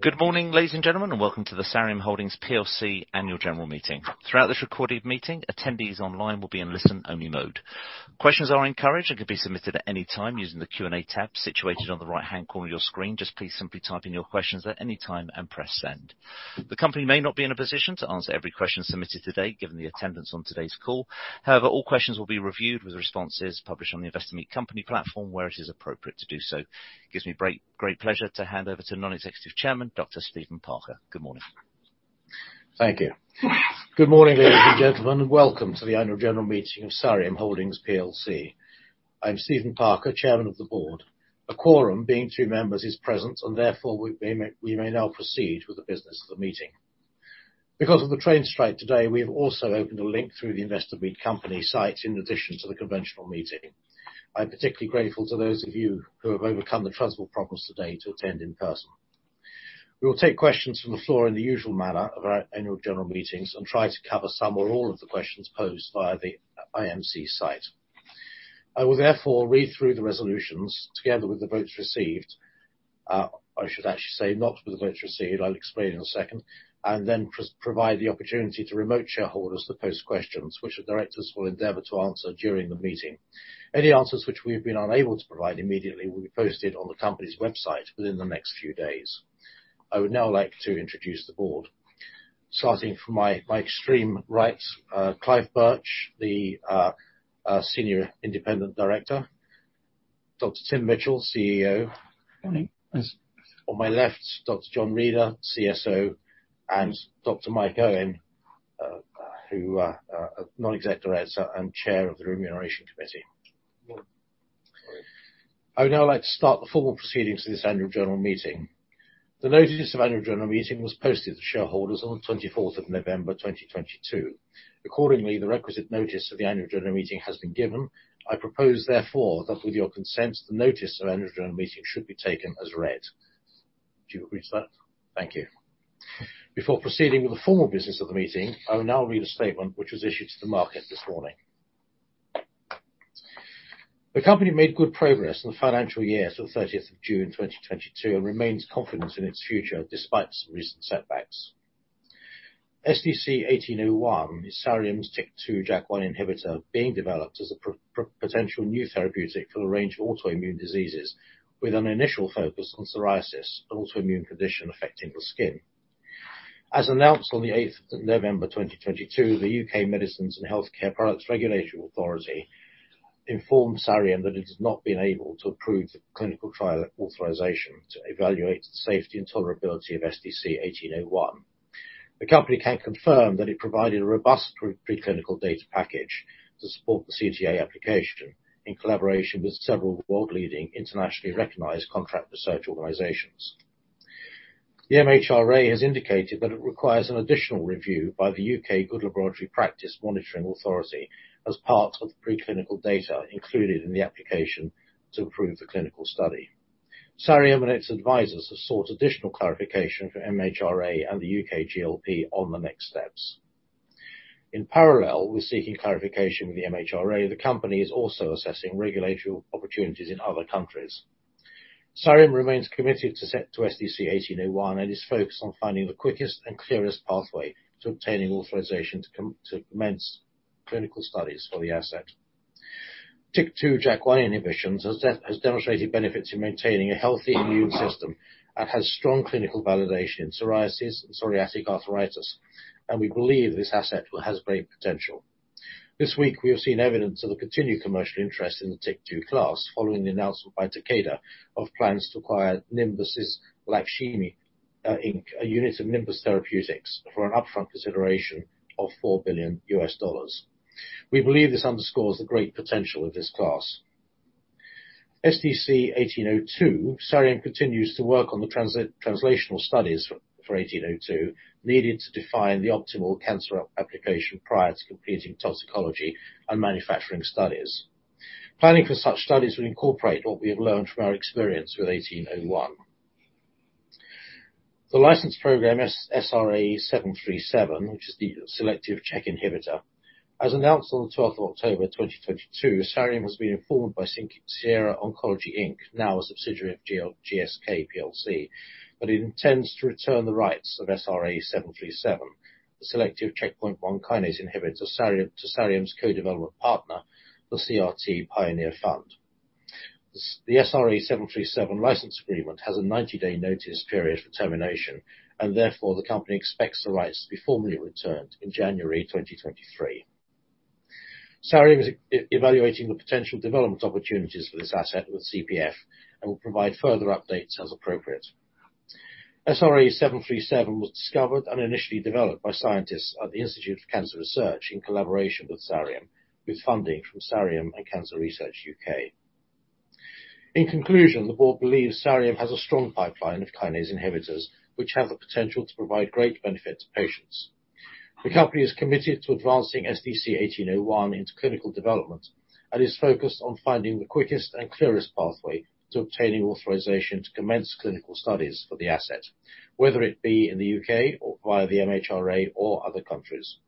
Good morning, ladies and gentlemen, and welcome to the Sareum Holdings PLC annual general meeting. Throughout this recorded meeting, attendees online will be in listen-only mode. Questions are encouraged and can be submitted at any time using the Q&A tab situated on the right-hand corner of your screen. Just please simply type in your questions at any time and press send. The company may not be in a position to answer every question submitted today, given the attendance on today's call. However, all questions will be reviewed with responses published on the Investor Meet Company platform, where it is appropriate to do so. It gives me great pleasure to hand over to Non-Executive Chairman Dr. Stephen Parker. Good morning. Thank you. Good morning, ladies and gentlemen, and welcome to the annual general meeting of Sareum Holdings PLC. I'm Stephen Parker, chairman of the board. A quorum being two members is present and therefore we may now proceed with the business of the meeting. Because of the train strike today, we have also opened a link through the Investor Meet Company site in addition to the conventional meeting. I'm particularly grateful to those of you who have overcome the transport problems today to attend in person. We will take questions from the floor in the usual manner of our annual general meetings and try to cover some or all of the questions posed via the IMC site. I will therefore read through the resolutions together with the votes received. I should actually say not with the votes received, I'll explain in a second, and then provide the opportunity to remote shareholders to pose questions which the directors will endeavor to answer during the meeting. Any answers which we've been unable to provide immediately will be posted on the company's website within the next few days. I would now like to introduce the board. Starting from my extreme right, Clive Birch, the Senior Independent Director. Dr. Tim Mitchell, CEO. Morning. Yes. On my left, Dr. John Reader, CSO, and Dr. Michael Owen, who Non-Executive Director and Chair of the Remuneration Committee. Morning. I would now like to start the formal proceedings for this annual general meeting. The notice of annual general meeting was posted to shareholders on November 24th 2022. Accordingly, the requisite notice of the annual general meeting has been given. I propose, therefore, that with your consent, the notice of annual general meeting should be taken as read. Do you agree to that? Thank you. Before proceeding with the formal business of the meeting, I will now read a statement which was issued to the market this morning. The company made good progress in the financial year till of June 30th 2022, and remains confident in its future despite some recent setbacks. SDC-1801 is Sareum's TYK2/JAK1 inhibitor being developed as a potential new therapeutic for a range of autoimmune diseases, with an initial focus on psoriasis, an autoimmune condition affecting the skin. Announced on the November 8th 2022, the U.K. Medicines and Healthcare products Regulatory Agency informed Sareum that it has not been able to approve the clinical trial authorization to evaluate the safety and tolerability of SDC-1801. The company can confirm that it provided a robust pre-clinical data package to support the CTA application in collaboration with several world-leading, internationally recognized contract research organizations. The MHRA has indicated that it requires an additional review by the U.K. Good Laboratory Practice Monitoring Authority as part of the pre-clinical data included in the application to approve the clinical study. Sareum and its advisors have sought additional clarification for MHRA and the U.K. GLPMA on the next steps. Parallel with seeking clarification with the MHRA, the company is also assessing regulatory opportunities in other countries. Sareum remains committed to SDC-1801, is focused on finding the quickest and clearest pathway to obtaining authorization to commence clinical studies for the asset. TYK2/JAK1 inhibitions has demonstrated benefits in maintaining a healthy immune system and has strong clinical validation in psoriasis and psoriatic arthritis. We believe this asset has great potential. This week, we have seen evidence of the continued commercial interest in the TYK2 class following the announcement by Takeda of plans to acquire Nimbus Lakshmi, Inc., a unit of Nimbus Therapeutics, for an upfront consideration of $4 billion. We believe this underscores the great potential of this class. SDC-1802, Sareum continues to work on the translational studies for 1802, needed to define the optimal cancer application prior to completing toxicology and manufacturing studies. Planning for such studies will incorporate what we have learned from our experience with 1801. The license program SRA737, which is the selective Chk1 inhibitor. As announced on the twelfth of October 2022, Sareum has been informed by Sierra Oncology, Inc., now a subsidiary of GSK plc, that it intends to return the rights of SRA737, the selective checkpoint 1 kinase inhibitor to Sareum's co-development partner, the CRT Pioneer Fund. The SRA737 license agreement has a 90-day notice period for termination. Therefore, the company expects the rights to be formally returned in January 2023. Sareum is evaluating the potential development opportunities for this asset with CPF and will provide further updates as appropriate. SRA737 was discovered and initially developed by scientists at the Institute of Cancer Research in collaboration with Sareum, with funding from Sareum and Cancer Research UK. In conclusion, the board believes Sareum has a strong pipeline of kinase inhibitors, which have the potential to provide great benefit to patients. The company is committed to advancing SDC-1801 into clinical development, and is focused on finding the quickest and clearest pathway to obtaining authorization to commence clinical studies for the asset, whether it be in the U.K. or via the MHRA or other countries.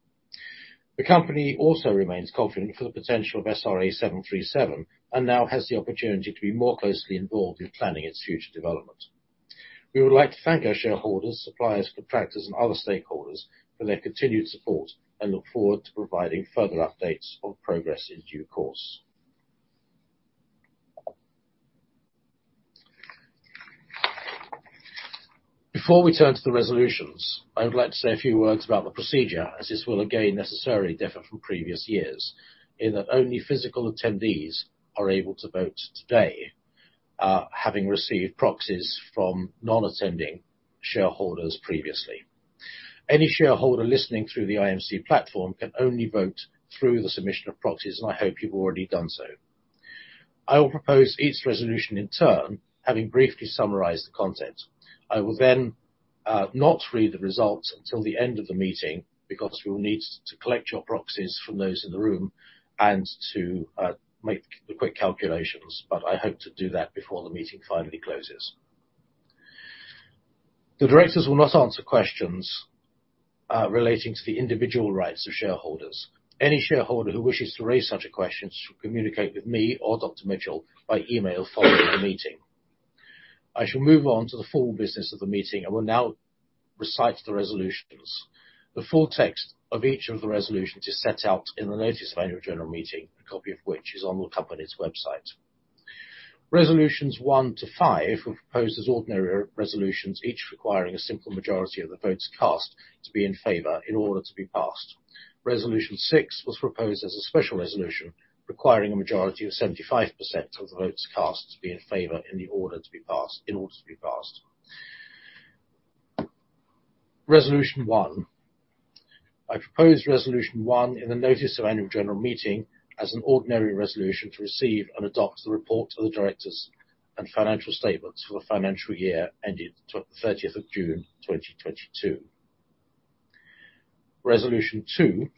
The company also remains confident for the potential of SRA737 and now has the opportunity to be more closely involved in planning its future development. We would like to thank our shareholders, suppliers, contractors, and other stakeholders for their continued support and look forward to providing further updates on progress in due course. Before we turn to the resolutions, I would like to say a few words about the procedure, as this will again necessarily differ from previous years, in that only physical attendees are able to vote today, having received proxies from non-attending shareholders previously. Any shareholder listening through the IMC platform can only vote through the submission of proxies, and I hope you've already done so. I will propose each resolution in turn, having briefly summarized the content. I will not read the results until the end of the meeting because we will need to collect your proxies from those in the room and to make the quick calculations. I hope to do that before the meeting finally closes. The directors will not answer questions relating to the individual rights of shareholders. Any shareholder who wishes to raise such a question should communicate with me or Dr. Mitchell by email following the meeting. I shall move on to the full business of the meeting and will now recite the resolutions. The full text of each of the resolutions is set out in the notice of Annual General Meeting, a copy of which is on the company's website. Resolutions one to five were proposed as ordinary re-resolutions, each requiring a simple majority of the votes cast to be in favor in order to be passed. Resolution six was proposed as a special resolution, requiring a majority of 75% of the votes cast to be in favor in order to be passed. Resolution one. I propose resolution one in the notice of annual general meeting as an ordinary resolution to receive and adopt the report to the directors and financial statements for the financial year ending June 30th, 2022. Resolution two.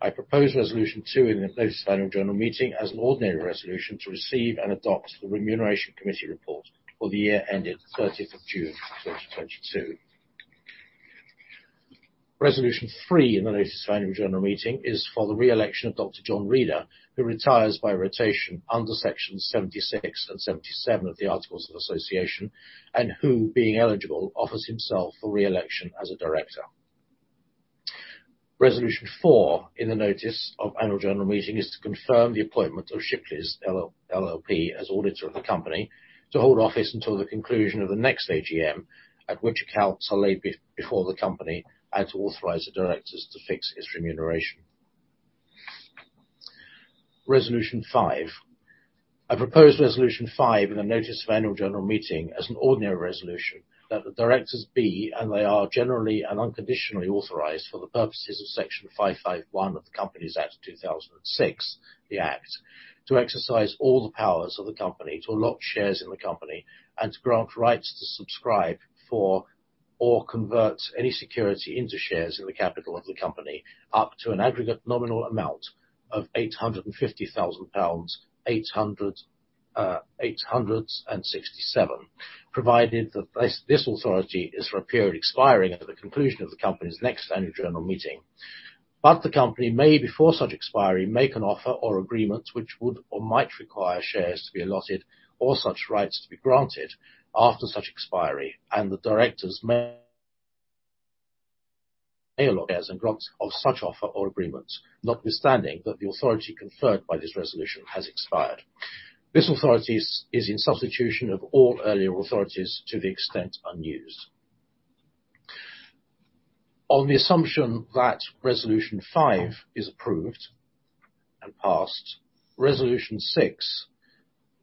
I propose resolution two in the notice of annual general meeting as an ordinary resolution to receive and adopt the Remuneration Committee report for the year ending June 30th, 2022. Resolution three in the notice of annual general meeting is for the re-election of Dr. John Reader, who retires by rotation under Section 76 and 77 of the Articles of Association, and who, being eligible, offers himself for re-election as a director. Resolution four in the notice of annual general meeting is to confirm the appointment of Shipleys LLP as auditor of the company to hold office until the conclusion of the next AGM, at which accounts are laid before the company, and to authorize the directors to fix its remuneration. Resolution five. I propose resolution five in the notice of annual general meeting as an ordinary resolution that the directors B, and they are generally and unconditionally authorized for the purposes of Section 551 of the Companies Act 2006, the Act, to exercise all the powers of the company to allot shares in the company and to grant rights to subscribe for or convert any security into shares in the capital of the company, up to an aggregate nominal amount of 850,000 pounds 867, provided that this authority is for a period expiring at the conclusion of the company's next annual general meeting. The company may, before such expiry, make an offer or agreement which would or might require shares to be allotted or such rights to be granted after such expiry, and the directors may allot shares and grant of such offer or agreement, notwithstanding that the authority conferred by this resolution has expired. This authority is in substitution of all earlier authorities to the extent unused. On the assumption that resolution five is approved and passed, resolution six.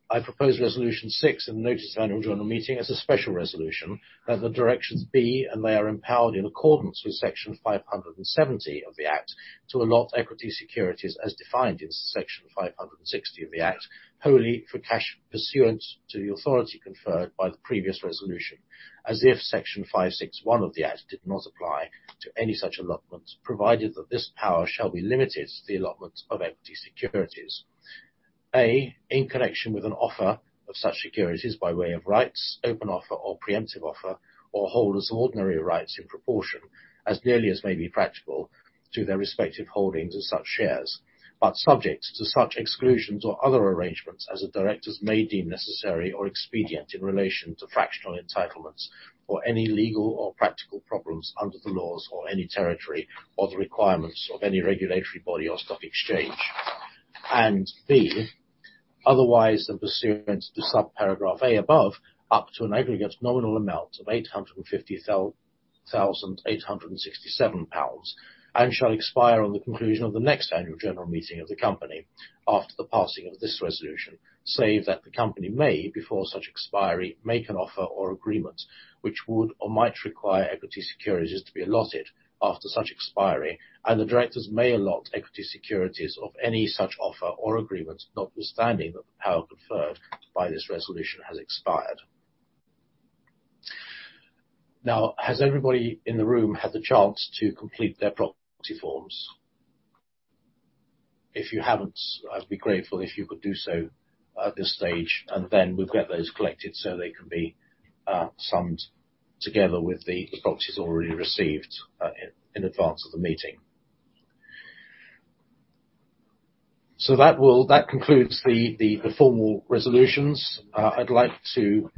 I propose resolution six in the notice of annual general meeting as a special resolution that the directors B, and they are empowered in accordance with Section 570 of the Act to allot equity securities as defined in Section 560 of the Act, wholly for cash pursuant to the authority conferred by the previous resolution, as if Section 561 of the Act did not apply to any such allotments, provided that this power shall be limited to the allotment of equity securities. In connection with an offer of such securities by way of rights, open offer or preemptive offer, or holders of ordinary rights in proportion as nearly as may be practical to their respective holdings of such shares, but subject to such exclusions or other arrangements as the directors may deem necessary or expedient in relation to fractional entitlements or any legal or practical problems under the laws or any territory or the requirements of any regulatory body or stock exchange. B, otherwise in pursuant to subparagraph A above, up to an aggregate nominal amount of 850,867 pounds and shall expire on the conclusion of the next annual general meeting of the company after the passing of this resolution, save that the company may, before such expiry, make an offer or agreement which would or might require equity securities to be allotted after such expiry, and the directors may allot equity securities of any such offer or agreement, notwithstanding that the power conferred by this resolution has expired. Has everybody in the room had the chance to complete their proxy forms? If you haven't, I'd be grateful if you could do so at this stage, and then we've got those collected so they can be summed together with the proxies already received in advance of the meeting. That concludes the formal resolutions. I'd like to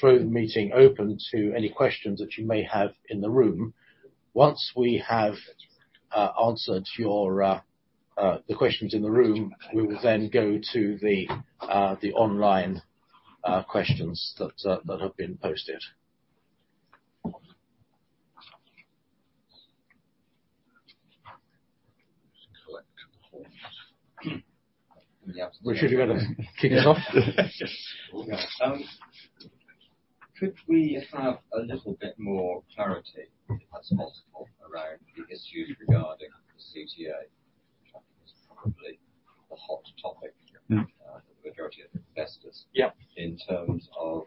throw the meeting open to any questions that you may have in the room. Once we have answered your the questions in the room, we will then go to the online questions that have been posted. Just collect the forms. Should we just kick it off? Yes. Could we have a little bit more clarity if that's possible around the issues regarding the CTA? Which I think is probably the hot topic for the majority of investors. In terms of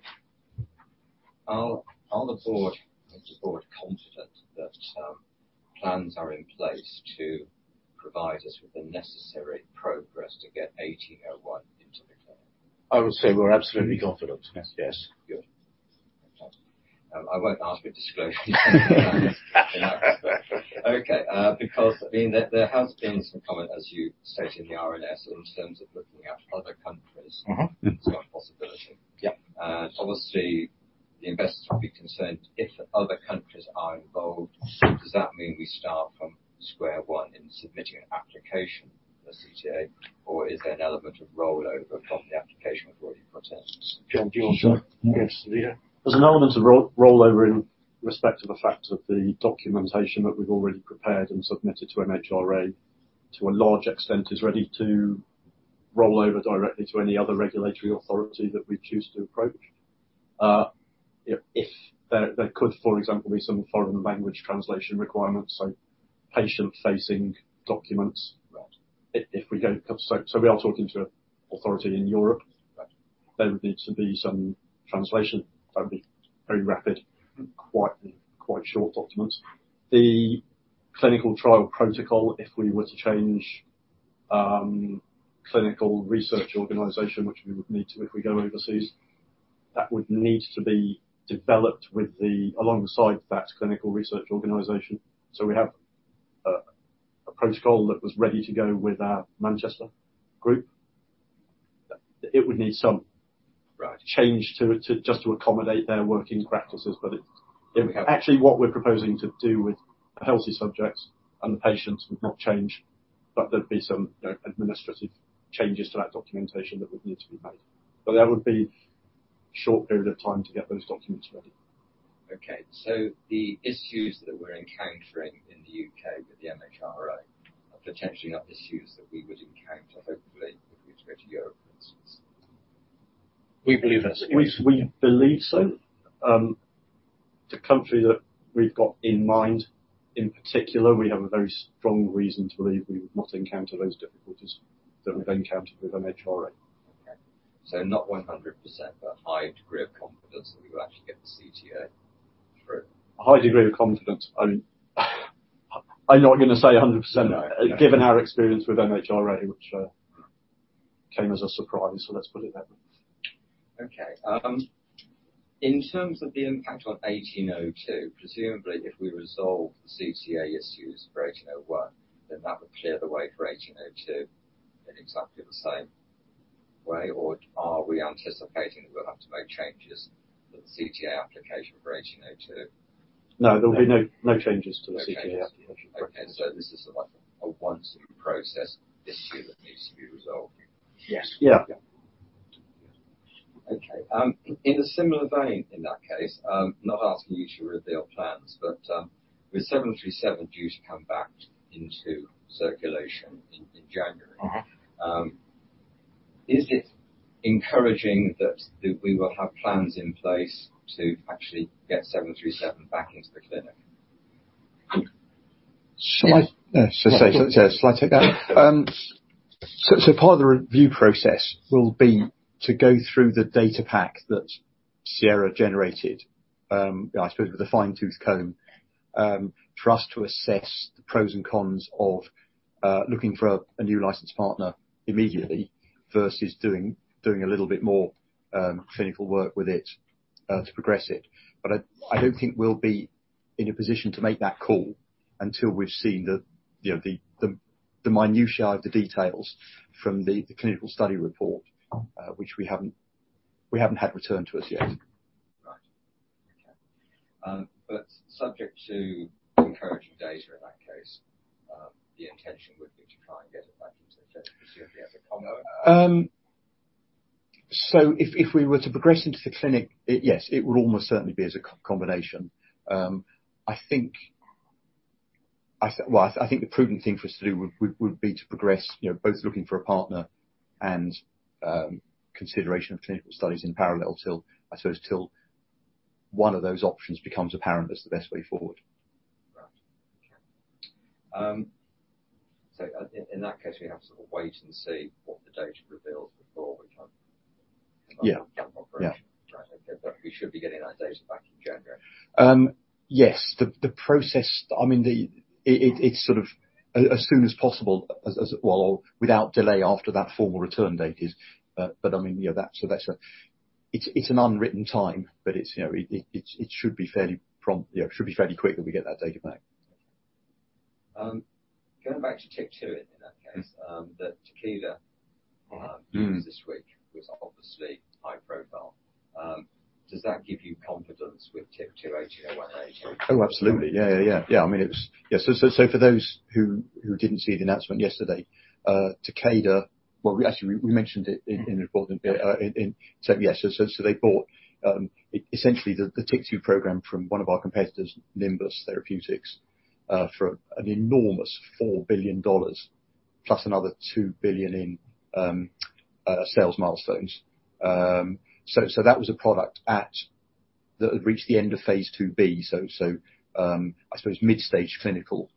is the board confident that plans are in place to provide us with the necessary progress to get 1801 into the clinic? I would say we're absolutely confident. Yes. Yes. Good. Fantastic. I won't ask you to disclose any plans in that respect. Okay. I mean, there has been some comment, as you stated in the RNS, in terms of looking at other countries. As one possibility. Obviously the investors will be concerned if other countries are involved. Does that mean we start from square one in submitting an application for CTA, or is there an element of rollover from the application we've already put in? John, do you want to- Sure. Yes, yeah. There's an element of rollover in respect to the fact that the documentation that we've already prepared and submitted to MHRA, to a large extent, is ready to roll over directly to any other regulatory authority that we choose to approach. If there could, for example, be some foreign language translation requirements, like patient-facing documents. Right. We are talking to an authority in Europe. There would need to be some translation. That'd be very rapid. Quite short documents. The clinical trial protocol, if we were to change clinical research organization, which we would need to if we go overseas, that would need to be developed alongside that clinical research organization. We have a protocol that was ready to go with our Manchester group. It would need some change to it just to accommodate their working practices. it... Okay. Actually, what we're proposing to do with healthy subjects and the patients would not change, but there'd be some, you know, administrative changes to that documentation that would need to be made. That would be short period of time to get those documents ready. Okay. The issues that we're encountering in the U.K. with the MHRA are potentially not issues that we would encounter, hopefully, if we were to go to Europe, for instance? We believe that's the case. We believe so. The country that we've got in mind, in particular, we have a very strong reason to believe we would not encounter those difficulties that we've encountered with MHRA. Okay. not 100%, but a high degree of confidence that we would actually get the CTA through? A high degree of confidence. I'm not gonna say 100%. No. Yeah. Given our experience with MHRA, which, came as a surprise, so let's put it that way. Okay. In terms of the impact on 1802, presumably if we resolve the CTA issues for 1801, then that would clear the way for 1802 in exactly the same way? Are we anticipating that we'll have to make changes to the CTA application for 1802? No. No. There'll be no changes to the CTA application. No changes. Okay. This is like a once process issue that needs to be resolved. Yes. Yeah. Yeah. Okay. In a similar vein, in that case, not asking you to reveal plans, but, with SRA737 due to come back into circulation in January. Is it encouraging that we will have plans in place to actually get seven three seven back into the clinic? Shall I- Yes. Shall I take that one? Part of the review process will be to go through the data pack that Sierra generated, I suppose, with a fine-tooth comb, for us to assess the pros and cons of looking for a new license partner immediately versus doing a little bit more clinical work with it to progress it. I don't think we'll be in a position to make that call until we've seen the, you know, the minutiae of the details from the clinical study report, which we haven't had returned to us yet. Okay. Subject to encouraging data in that case, the intention would be to try and get it back into the clinic, presumably as a combo? If, if we were to progress into the clinic, yes, it would almost certainly be as a co-combination. Well, I think the prudent thing for us to do would be to progress, you know, both looking for a partner and consideration of clinical studies in parallel till, I suppose till one of those options becomes apparent as the best way forward. Right. Okay. In that case, we have to wait and see what the data reveals before we can-. Yeah. Yeah. Right. Okay. We should be getting that data back in January. Yes. The process, I mean, it's sort of as soon as possible as well, without delay after that formal return date is. I mean, you know, it's an unwritten time, but it's, you know, it should be fairly prompt. You know, it should be fairly quick that we get that data back. Going back to TYK2 in that case. That Takeda news this week was obviously high profile. Does that give you confidence with TYK2, AT0018? Absolutely. Yeah, yeah. Yeah. I mean, it was. Yeah. For those who didn't see the announcement yesterday, Takeda... Well, we actually mentioned it in the call. Yes. They bought essentially the TYK2 program from one of our competitors, Nimbus Therapeutics, for an enormous $4 billion, plus another $2 billion in sales milestones. That was a product that had reached the end of Phase 2b. I suppose mid-stage clinical.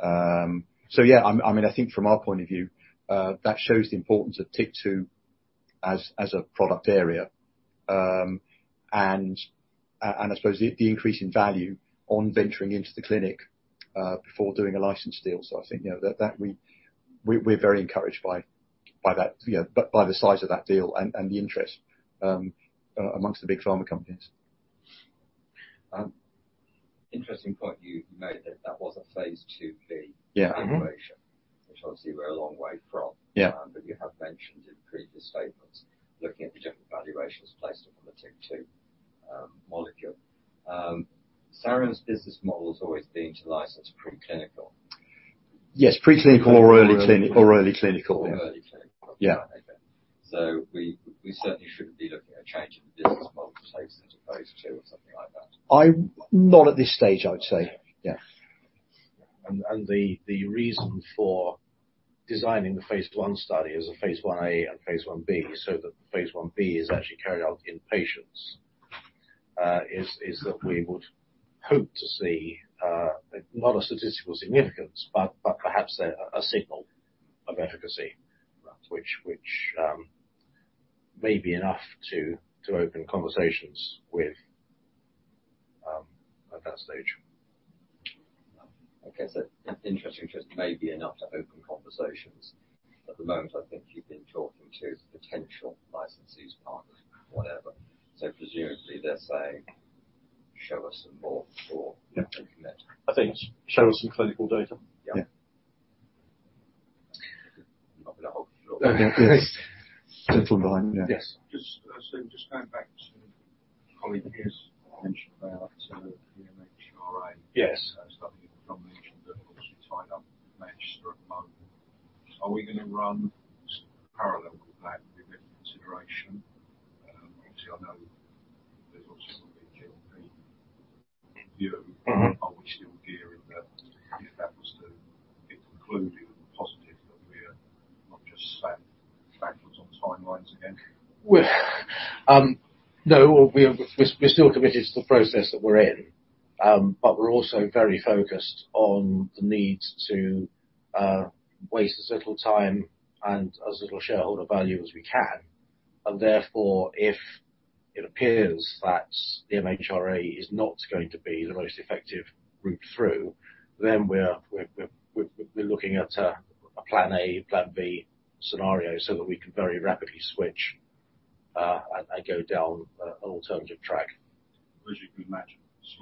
Yeah, I mean, I think from our point of view, that shows the importance of TYK2 as a product area. I suppose the increase in value on venturing into the clinic before doing a license deal. I think, you know, that we're very encouraged by that. You know, by the size of that deal and the interest amongst the big pharma companies. Interesting point you made that that was a Phase 2b. Yeah. Mm-hmm. Evaluation, which obviously we're a long way from. Yeah. You have mentioned in previous statements, looking at the different valuations placed upon the TYK2 molecule. Sareum's business model's always been to license preclinical. Yes. Preclinical or early clinical. Early clinical. Yeah. Okay. We certainly shouldn't be looking at changing the business model to take us into phase 2 or something like that. Not at this stage, I would say. Okay. Yeah. The reason for designing the phase II study as a phase 1a and phase 1b, so that the phase 1b is actually carried out in patients, is that we would hope to see, not a statistical significance, but perhaps a signal of efficacy... Right. which may be enough to open conversations with at that stage. Okay. Interesting. Just may be enough to open conversations. At the moment, I think you've been talking to potential licensees, partners, whatever. Presumably they're saying, "Show usme more before- Yeah. -looking at it. I think it's, "Show us some clinical data. Yeah. Yeah. Not gonna hold you on that. Okay. Yes. Yes. Simple line. Yeah. Yes. Just, just going back to your colleague, Piers, mentioned about the MHRA. Yes. Something you've mentioned that obviously tied up Manchester at the moment. Are we gonna run parallel with that with a bit of consideration? Obviously I know there's obviously gonna be GMP view. Mm-hmm. Are we still gearing that if that was to get concluded and positive, that we're not just spat backwards on the timelines again? Well. No. We're still committed to the process that we're in. We're also very focused on the need to waste as little time and as little shareholder value as we can. Therefore, if it appears that the MHRA is not going to be the most effective route through, then we're looking at a plan A, plan B scenario so that we can very rapidly switch and go down an alternative track. As you can imagine, there's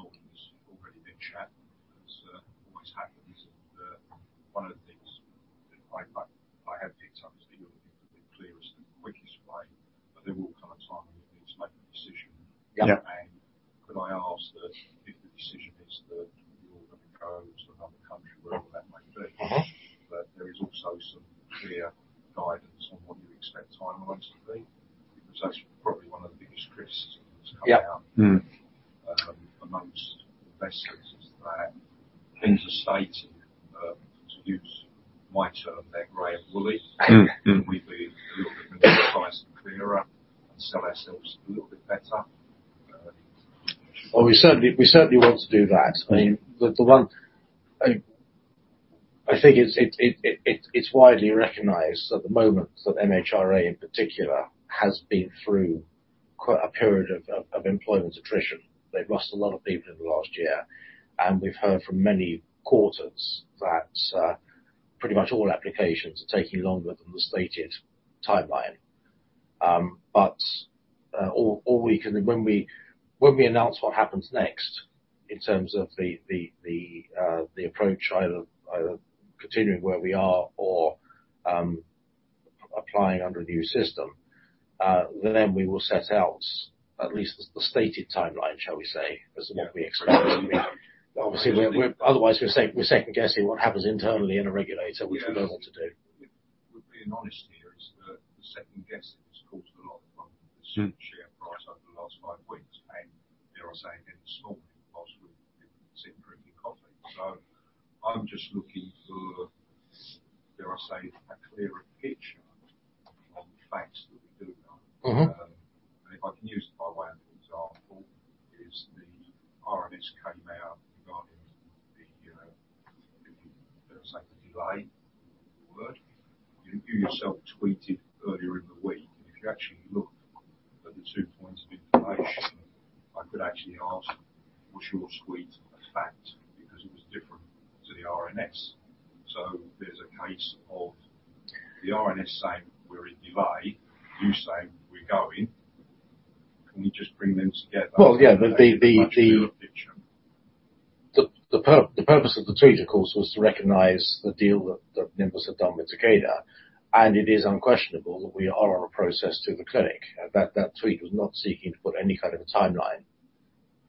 already been chat, as always happens. One of the things that I have picked up is that you're looking for the clearest and quickest way. There will come a time when we need to make a decision. Yeah. Could I ask that if the decision is that you're gonna go to another country, wherever that may be. Mm-hmm. that there is also some clear guidance on what you expect timelines to be? Because that's probably one of the biggest risks that's come out Yeah. Mm. amongst investors is that things are stated, to use my term there, gray and woolly. Mm-hmm. Can we be a little bit nicer, clearer, and sell ourselves a little bit better? Well, we certainly want to do that. I mean, the one, I think it's widely recognized at the moment that MHRA in particular has been through quite a period of employment attrition. They've lost a lot of people in the last year. We've heard from many quarters that pretty much all applications are taking longer than the stated timeline. When we announce what happens next in terms of the approach, either continuing where we are or applying under a new system, we will set out at least the stated timeline, shall we say. Yeah. as to what we expect. Obviously we're Otherwise, we're second guessing what happens internally in a regulator. Yes. which we don't want to do. We're being honest here is that the second guessing has caused a lot of share price over the last 5 weeks, and dare I say it in this morning, while we sit drinking coffee. I'm just looking for, dare I say, a clearer picture on the facts that we do know. Mm-hmm. If I can use, by way of an example, is the RMS came out regarding the Let's say delay would. You, you yourself tweeted earlier in the week, and if you actually look at the two points of information, I could actually ask was your tweet a fact because it was different to the RNS. There's a case of the RNS saying we're in delay, you say we're going. Can we just bring them together? Well, yeah. Much clearer picture. The purpose of the tweet, of course, was to recognize the deal that Nimbus had done with Takeda, and it is unquestionable that we are on a process to the clinic. That tweet was not seeking to put any kind of a timeline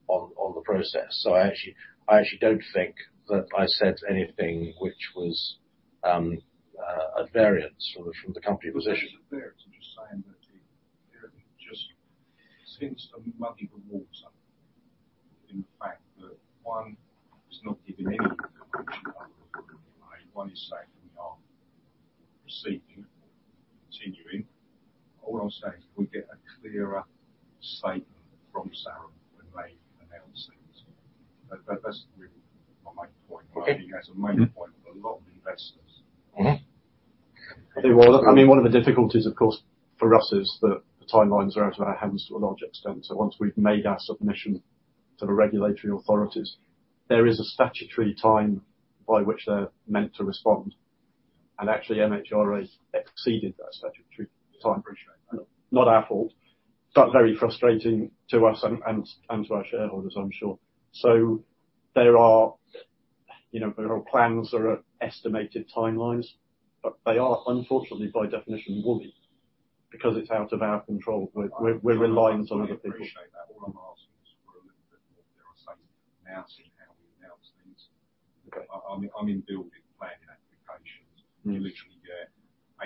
on the process. I actually don't think that I said anything which was at variance from the company position. It was at variance. I'm just saying that it apparently just seems to muddy the water in the fact that one is not giving any information other than delay. One is saying we are proceeding, continuing. All I'm saying is can we get a clearer statement from Sareum when they announce things? That's really my main point. Okay. I think that's a main point for a lot of investors. Mm-hmm. Well, I mean, one of the difficulties, of course, for us is that the timelines are out of our hands to a large extent. Once we've made our submission to the regulatory authorities, there is a statutory time by which they're meant to respond. Actually MHRA exceeded that statutory time frame. I appreciate that. Not our fault. Very frustrating to us and to our shareholders, I'm sure. There are, you know, there are plans. There are estimated timelines, but they are unfortunately by definition woolly because it's out of our control. We're relying on other people. I appreciate that. All I'm asking is for a little bit more thorough statement announcing how we announce things. Okay. I mean, I'm in building planning applications. Mm-hmm. You literally get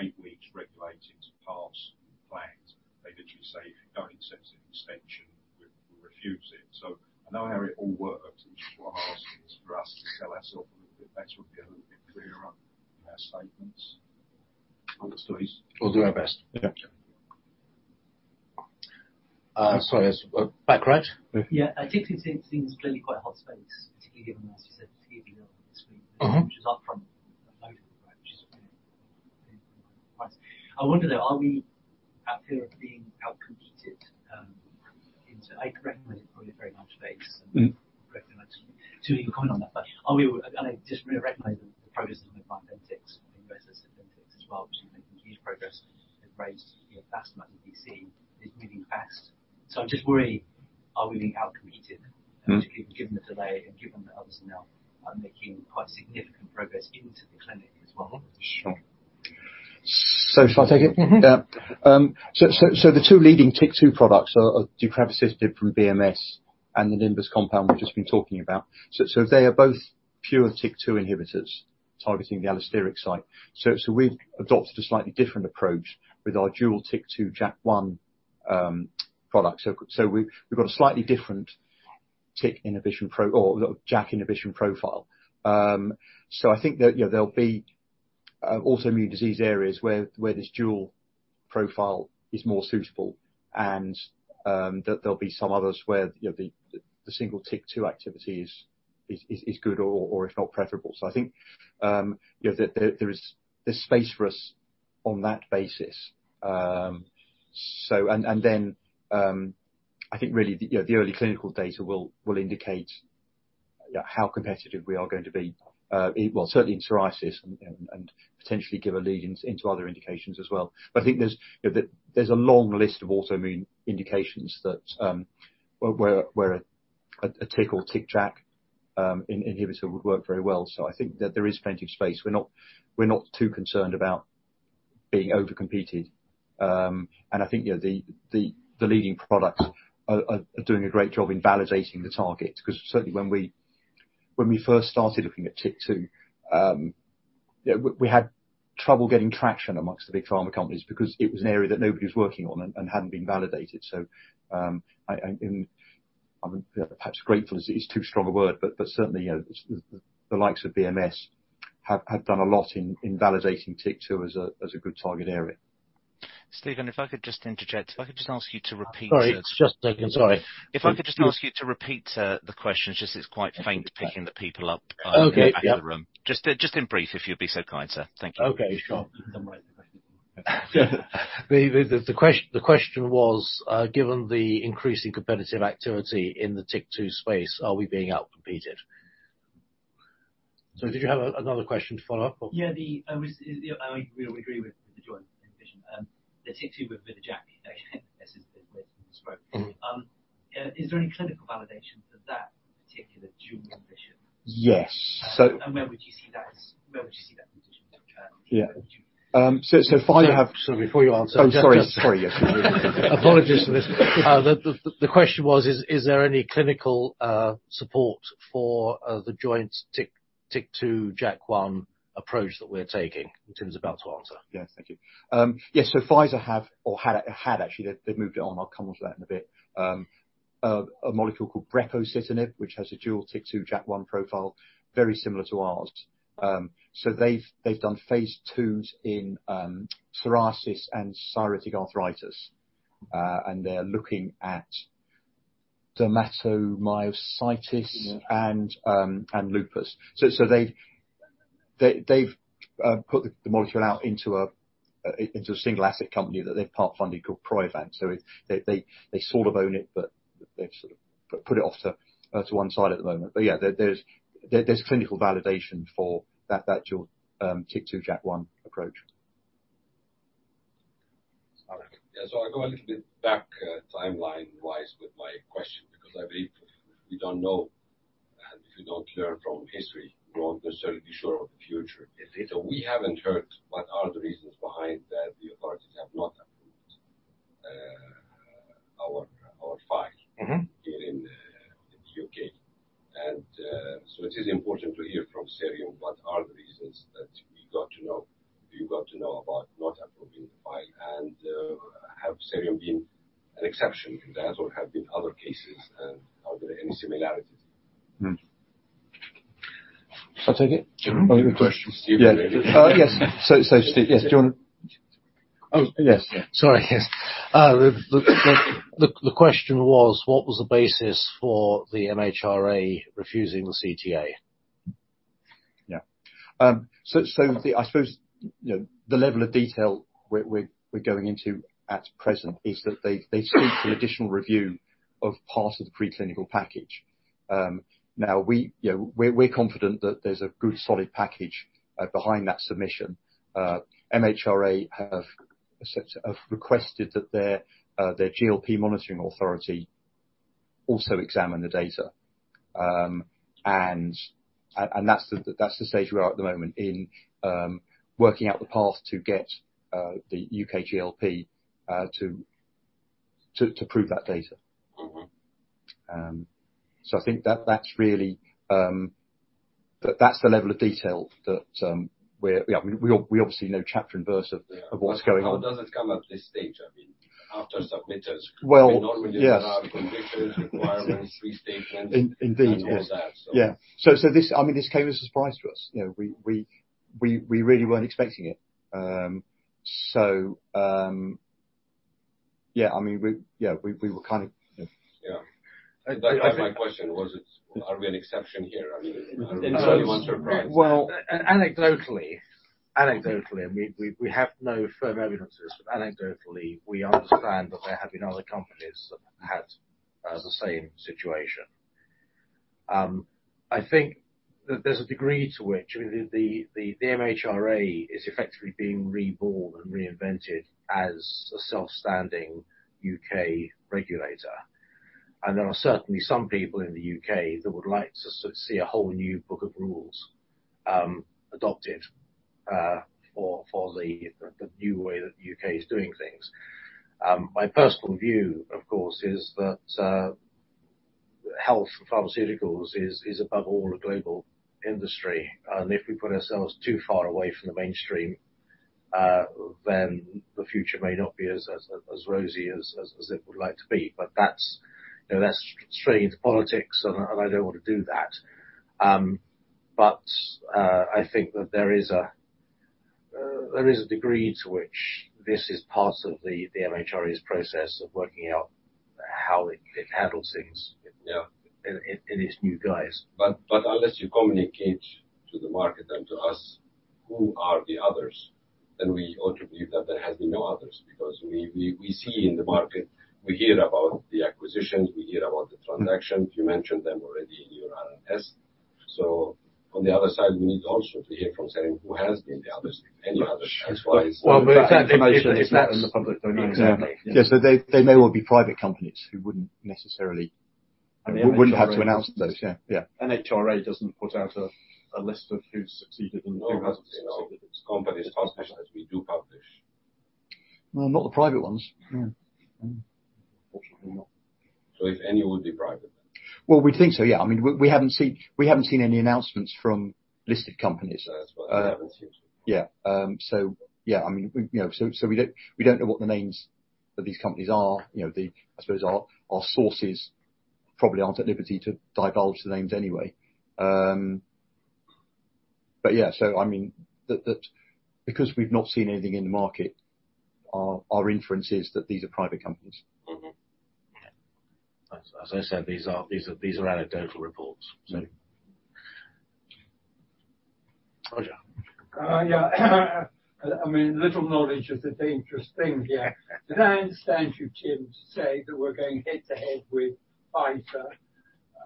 eight weeks regulated to pass plans. They literally say, "If you don't accept an extension, we refuse it." I know how it all works, which is why I'm asking is for us to sell ourself a little bit better and be a little bit clearer on our statements and the stories. We'll do our best. Okay. Sorry. Back right. Yeah. Atopic seems clearly quite a hot space, particularly given as you said at the beginning of the screen- Mm-hmm which is up from the Mm-hmm. I wonder, though, are we out here being outcompeted, I recognize it's probably a very large space. Mm-hmm. Correct me to even comment on that? Are we? I just recognize the progress that's been made by Ventyx. Investors in Ventyx as well, which have been making huge progress. They've raised a vast amount in VC. It's moving fast. I just worry, are we being outcompeted? Mm-hmm. Particularly given the delay and given that others now are making quite significant progress into the clinic as well? Sure. Shall I take it? Mm-hmm. Yeah. The two leading TYK2 products are deucravacitinib from BMS and the Nimbus compound we've just been talking about. They are both pure TYK2 inhibitors targeting the allosteric site. We've adopted a slightly different approach with our dual TYK2 JAK1 product. We've got a slightly different TYK inhibition or JAK inhibition profile. I think that, you know, there'll be autoimmune disease areas where this dual profile is more suitable and that there'll be some others where, you know, the single TYK2 activity is good or if not preferable. I think, you know, there is this space for us on that basis. I think really the, you know, the early clinical data will indicate, you know, how competitive we are going to be. Well, certainly in psoriasis and, and potentially give a lead into other indications as well. I think there's, you know, the... There's a long list of autoimmune indications that, where, where a TYK or TYK/JAK inhibitor would work very well. I think that there is plenty of space. We're not too concerned about being overcompeted. I think, you know, the leading products are doing a great job in validating the target 'cause certainly when we first started looking at TYK2, you know, we had trouble getting traction amongst the big pharma companies because it was an area that nobody was working on and hadn't been validated. I'm perhaps grateful is too strong a word, but certainly, you know, the likes of BMS have done a lot in validating TYK2 as a good target area. Stephen, if I could just interject. If I could just ask you to repeat. Sorry. It's just taken. Sorry. If I could just ask you to repeat, the question. It's just, it's quite faint picking the people up... Okay. Yep. At the back of the room. Just in brief, if you'd be so kind, sir. Thank you. Okay, sure. The question was, given the increasing competitive activity in the TYK2 space, are we being outcompeted? Did you have another question to follow up or? Yeah. Yeah. I really agree with the joint vision. The TYK2 with the JAK as has been spoke. Mm-hmm. Is there any clinical validation for that particular dual inhibition? Yes. Where would you see that positioned in terms of. Yeah. so Pfizer have- Sorry. Before you answer. Oh, sorry. Sorry, yes. Apologies for this. The question was, is there any clinical support for the joint TYK2 JAK1 approach that we're taking, which Stephen's about to answer? Yeah. Thank you. Yes. Pfizer have or had actually. They've moved it on. I'll come onto that in a bit. A molecule called brepocitinib, which has a dual TYK2 JAK1 profile, very similar to ours. They've done phase II in psoriasis and psoriatic arthritis. They're looking at. Dermatomyositis. Yeah and lupus. They've put the molecule out into a single asset company that they've part-funded called Priovant. They sort of own it, but they've sort of put it off to one side at the moment. Yeah, there's clinical validation for that, your TYK2/JAK1 approach. All right. Yeah. I go a little bit back, timeline wise with my question because I believe we don't know, and if you don't learn from history, we won't necessarily be sure of the future. We haven't heard what are the reasons behind that the authorities have not approved our file. Mm-hmm here in the U.K. So it is important to hear from Sareum what are the reasons that you got to know about not approving the file. Have Sareum been an exception in that, or have been other cases, and are there any similarities? Mm-hmm. I'll take it. Jerome. The question. Yeah. yes. Steve, yes. Do you want to- Oh, yes. Sorry. Yes. The question was, what was the basis for the MHRA refusing the CTA? Yeah. I suppose, you know, the level of detail we're going into at present is that they seek some additional review of part of the pre-clinical package. We, you know, we're confident that there's a good, solid package behind that submission. MHRA have requested that their GLP monitoring authority also examine the data. That's the stage we're at at the moment in working out the path to get the U.K. GLP to prove that data. Mm-hmm. I think that that's really. That's the level of detail that. Yeah, we obviously know chapter and verse of what's going on. How does it come at this stage? I mean, after. Well- They normally run out conditions, requirements, restatements. In-indeed. all that. Yeah. This... I mean, this came as a surprise to us. You know, we really weren't expecting it. Yeah. I mean, we... Yeah. We were kind of... Yeah. That was my question. Are we an exception here? I mean surprise. Well, anecdotally, we have no firm evidences. Anecdotally, we understand that there have been other companies that had the same situation. I think that there's a degree to which the MHRA is effectively being reborn and reinvented as a self-standing U.K. regulator. There are certainly some people in the U.K. that would like to see a whole new book of rules adopted for the new way that the U.K. is doing things. My personal view, of course, is that health pharmaceuticals is above all a global industry, and if we put ourselves too far away from the mainstream, then the future may not be as rosy as it would like to be. That's, you know, that's straying into politics and I don't want to do that. I think that there is a degree to which this is part of the MHRA's process of working out how it handles things. Yeah in its new guise. Unless you communicate to the market and to us who are the others, then we ought to believe that there has been no others. We see in the market, we hear about the acquisitions, we hear about the transactions. You mentioned them already in your RNS. On the other side, we need also to hear from saying who has been the others, if any others. That's why. Well, if that information is. In the public domain. Exactly. Yeah. They may well be private companies who wouldn't have to announce those. Yeah. Yeah. MHRA doesn't put out a list of who succeeded in. No. You know, companies as special as we do publish. Well, not the private ones. Yeah. Mm-hmm. If any would be private then. Well, we think so. Yeah. I mean, we haven't seen any announcements from listed companies. Yeah, that's what... I mean, we You know, we don't know what the names of these companies are. You know, I suppose our sources probably aren't at liberty to divulge the names anyway. I mean, Because we've not seen anything in the market, our inference is that these are private companies. Mm-hmm. As I said, these are anecdotal reports. Roger. Yeah. I mean, little knowledge is a dangerous thing, yeah. Did I understand you, Tim, to say that we're going head to head with Pfizer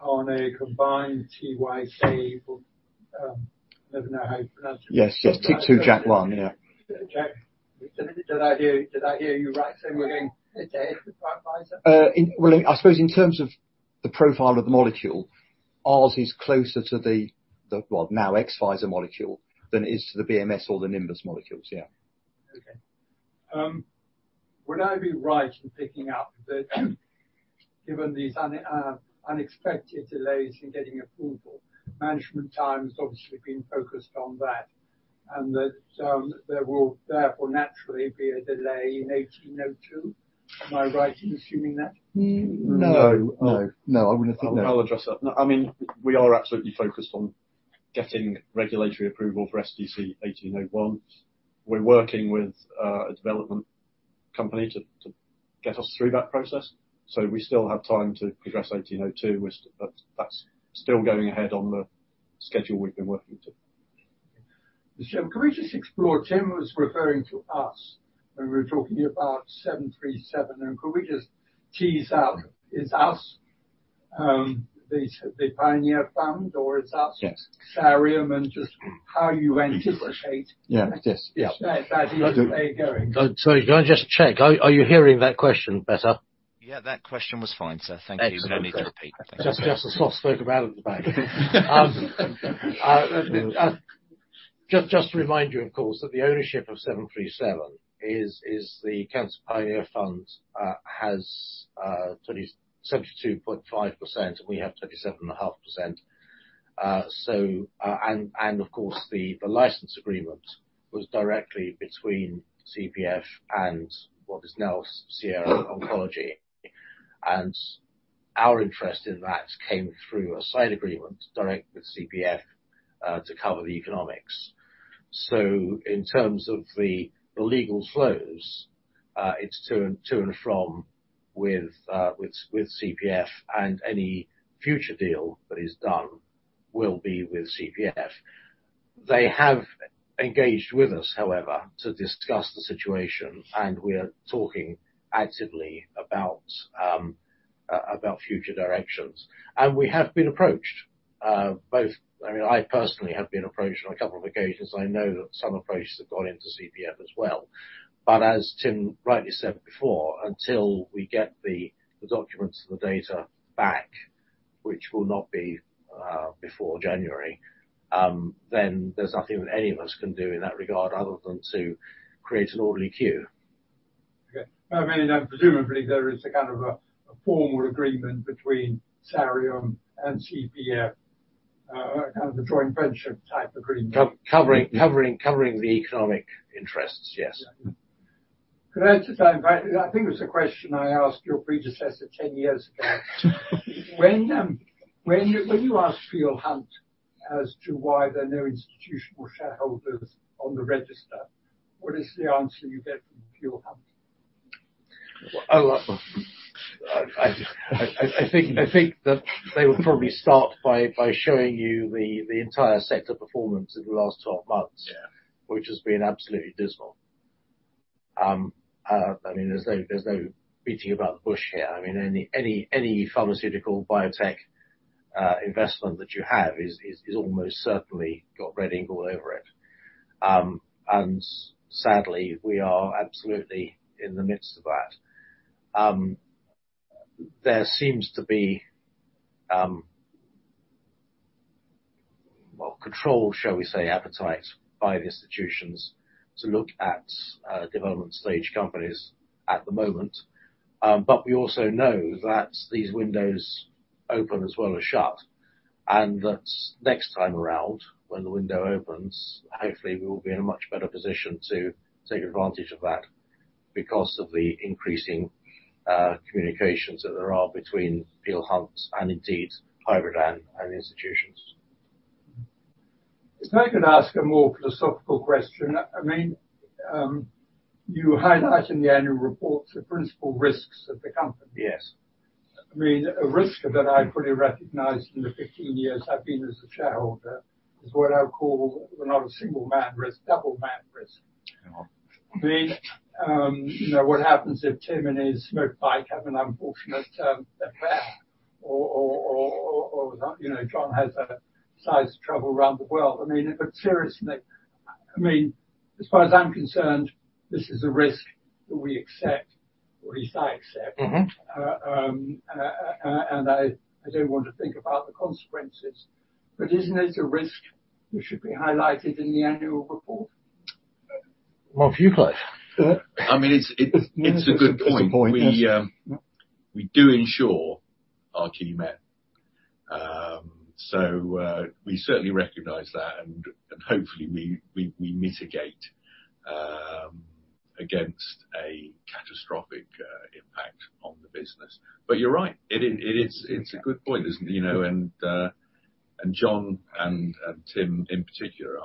on a combined TYK, never know how you pronounce it? Yes. Yes. TYK2/JAK1. Yeah. Did I hear you right saying we're going head to head with Pfizer? Well, I suppose in terms of the profile of the molecule, ours is closer to the well, now ex-Pfizer molecule than it is to the BMS or the Nimbus molecules. Yeah. Would I be right in picking up that given these unexpected delays in getting approval, management time's obviously been focused on that, and that there will therefore naturally be a delay in SDC-1802? Am I right in assuming that? No. No. No, I wouldn't think that. I'll address that. No. I mean, we are absolutely focused on- Getting regulatory approval for SDC-1801. We're working with a development company to get us through that process. We still have time to progress SDC-1802. That's still going ahead on the schedule we've been working to. Jim, can we just explore? Tim was referring to us when we were talking about 737, and could we just tease out, is us, the Pioneer Fund, or is. Yes. -Sareum and just how you anticipate- Yeah. Yes. Yeah. As you play it going. Sorry, can I just check, are you hearing that question better? Yeah, that question was fine, sir. Thank you. Excellent. No need to repeat. Thank you. Just as I spoke about at the back. Just to remind you, of course, that the ownership of SRA737 is the CRT Pioneer Fund has 72.5%, and we have 37.5%. Of course, the license agreement was directly between CPF and what is now Sierra Oncology. Our interest in that came through a side agreement direct with CPF to cover the economics. In terms of the legal flows, it's to and from with CPF and any future deal that is done will be with CPF. They have engaged with us, however, to discuss the situation and we are talking actively about future directions. We have been approached both... I mean, I personally have been approached on a couple of occasions. I know that some approaches have gone into CPF as well. As Tim rightly said before, until we get the documents and the data back, which will not be before January, there's nothing that any of us can do in that regard other than to create an orderly queue. Okay. I mean, presumably there is a kind of a formal agreement between Sareum and CPF, kind of a joint venture type agreement. Co-covering, covering the economic interests, yes. Could I just say, in fact, I think it was a question I asked your predecessor 10 years ago. When you ask Peel Hunt as to why there are no institutional shareholders on the register, what is the answer you get from Peel Hunt? Well, I think that they would probably start by showing you the entire sector performance of the last 12 months. Yeah. Which has been absolutely dismal. I mean, there's no beating about the bush here. I mean, any pharmaceutical biotech investment that you have is almost certainly got red ink all over it. Sadly, we are absolutely in the midst of that. There seems to be, well, control, shall we say, appetite by the institutions to look at development stage companies at the moment. We also know that these windows open as well as shut, and that next time around, when the window opens, hopefully we will be in a much better position to take advantage of that because of the increasing communications that there are between Peel Hunt and indeed Privateer and institutions. If I could ask a more philosophical question. I mean, you highlight in the annual report the principal risks of the company. Yes. I mean, a risk that I probably recognized in the 15 years I've been as a shareholder is what I'll call not a single man risk, double man risk. Oh. I mean, you know, what happens if Tim and his motorbike have an unfortunate event? You know, John has a size travel around the world. I mean, seriously, I mean, as far as I'm concerned, this is a risk that we accept, or at least I accept. Mm-hmm. I don't want to think about the consequences. Isn't it a risk that should be highlighted in the annual report? Well, for you, Clive. I mean, it's a good point. It's a point, yes. We do ensure our key men. We certainly recognize that, and hopefully we mitigate against a catastrophic impact on the business. You're right, it is, it's a good point, isn't it? You know, and John and Tim in particular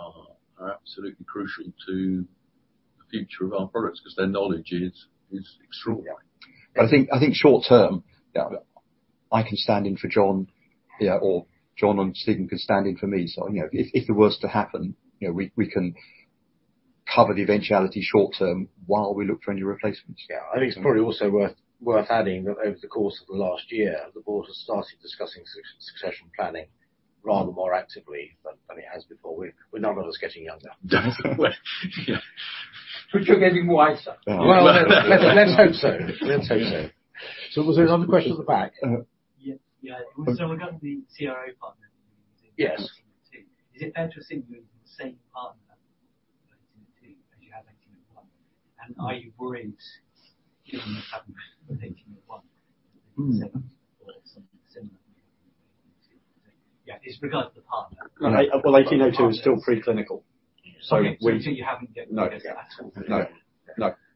are absolutely crucial to the future of our products 'cause their knowledge is extraordinary. I think short term, I can stand in for John, yeah, or John and Stephen can stand in for me. You know, if the worst were to happen, you know, we can cover the eventuality short term while we look for any replacements. Yeah. I think it's probably also worth adding that over the course of the last year, the board has started discussing succession planning rather more actively than it has before. With none of us getting younger. Well, yeah. You're getting wiser. Well, let's hope so. Let's hope so. Was there another question at the back? Yes. Yeah. We got the CRO partner. Yes. Is it fair to assume you're using the same partner for 1802 as you had 1801? Are you worried given what happened with 1801 or something similar? Yeah, it's regards to the partner. Well, SDC-1802 is still pre-clinical. You haven't yet... No. At all. No. No.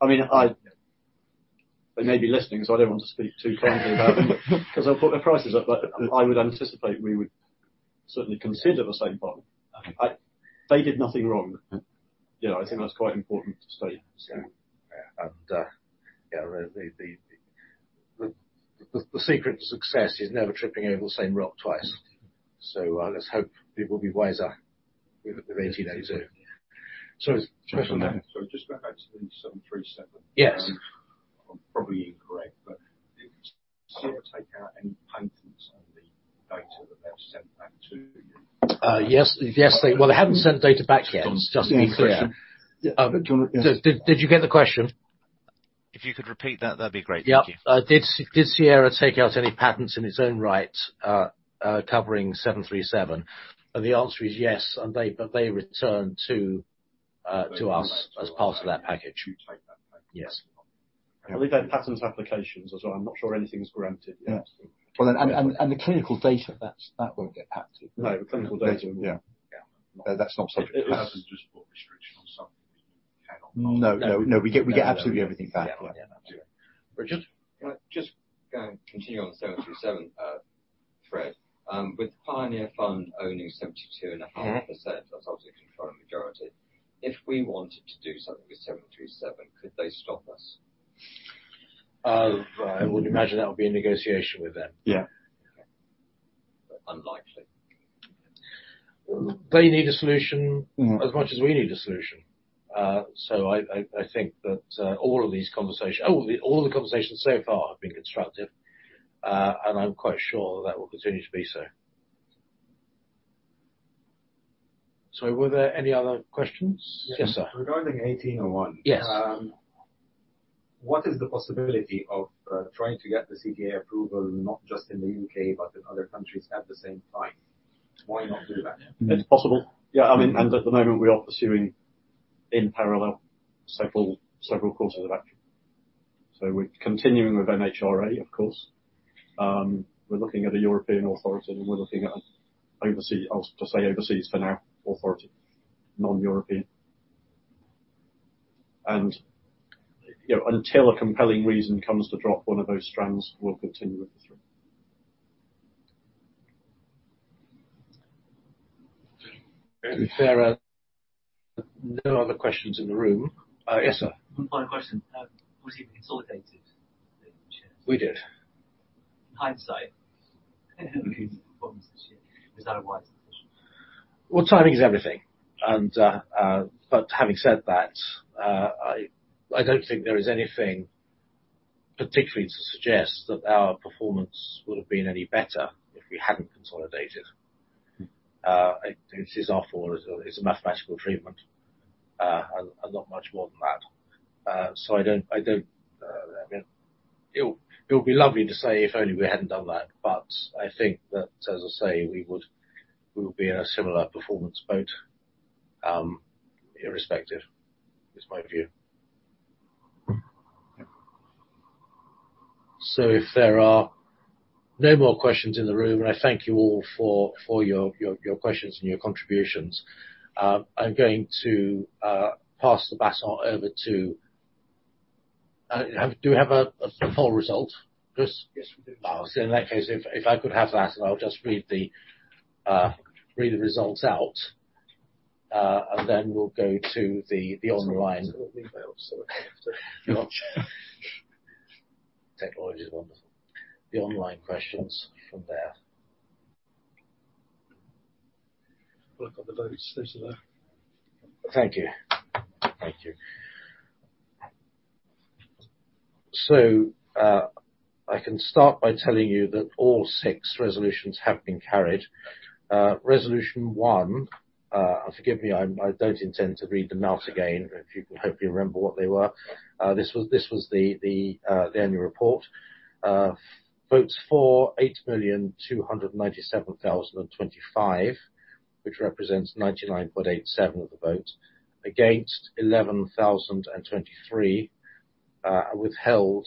I mean. They may be listening, so I don't want to speak too kindly about them 'cause I'll put their prices up. I would anticipate we would certainly consider the same partner. They did nothing wrong. You know, I think that's quite important to state. Yeah. Yeah, the secret to success is never tripping over the same rock twice. Let's hope people will be wiser with SDC-1801. So Sorry. Sorry. Just go back to the SRA737. Yes. I'm probably incorrect, but did Sierra take out any patents on the data that they have sent back to you? Yes, Well, they haven't sent data back yet, just to be clear. Yeah. Did you get the question? If you could repeat that'd be great. Thank you. Yep. Did Sierra take out any patents in its own right, covering SRA737? The answer is yes. They returned to us as part of that package. You take that back. Yes. I believe they had patterns applications as well. I'm not sure anything's granted yet. Yeah. Well, and the clinical data that won't get patented. No, the clinical data. Yeah. Yeah. That's not subject to that. It has adjustable restriction on something. We cannot know. No, no, we get absolutely everything back. Yeah. Yeah. Yeah. Richard, can I just continue on SRA737 thread. With Pioneer Fund owning 72.5%, that's obviously controlling majority. If we wanted to do something with SRA737, could they stop us? I would imagine that would be a negotiation with them. Yeah. Unlikely. They need a solution as much as we need a solution. I think that all the conversations so far have been constructive, and I'm quite sure that will continue to be so. Sorry, were there any other questions? Yes, sir. Regarding 1801. Yes. What is the possibility of trying to get the CTA approval, not just in the U.K., but in other countries at the same time? Why not do that? It's possible. Yeah. I mean, at the moment, we are pursuing in parallel several courses of action. We're continuing with MHRA, of course. We're looking at a European authority and we're looking at an overseas, I'll just say overseas for now, authority, non-European. You know, until a compelling reason comes to drop one of those strands, we'll continue with the three. If there are no other questions in the room. Yes, sir. One final question. Was it consolidated? We did. In hindsight, looking at the performance this year, was that a wise decision? Well, timing is everything. But having said that, I don't think there is anything particularly to suggest that our performance would have been any better if we hadn't consolidated. It is our fault. It's a mathematical treatment, and not much more than that. I don't, I mean it would be lovely to say if only we hadn't done that, but I think that, as I say, we would be in a similar performance boat, irrespective, is my view. If there are no more questions in the room, and I thank you all for your questions and your contributions. I'm going to pass the baton over to... Do you have a poll result, Chris? Yes, we do. In that case, if I could have that and I'll just read the results out, and then we'll go to the online-. Send it to the email, sorry. Technology is wonderful. The online questions from there. I've got the latest there today. Thank you. Thank you. I can start by telling you that all six resolutions have been carried. Resolution one, forgive me, I don't intend to read them out again. If you can hopefully remember what they were. This was the annual report. Votes for 8,297,025, which represents 99.87% of the vote. Against 11,023. Withheld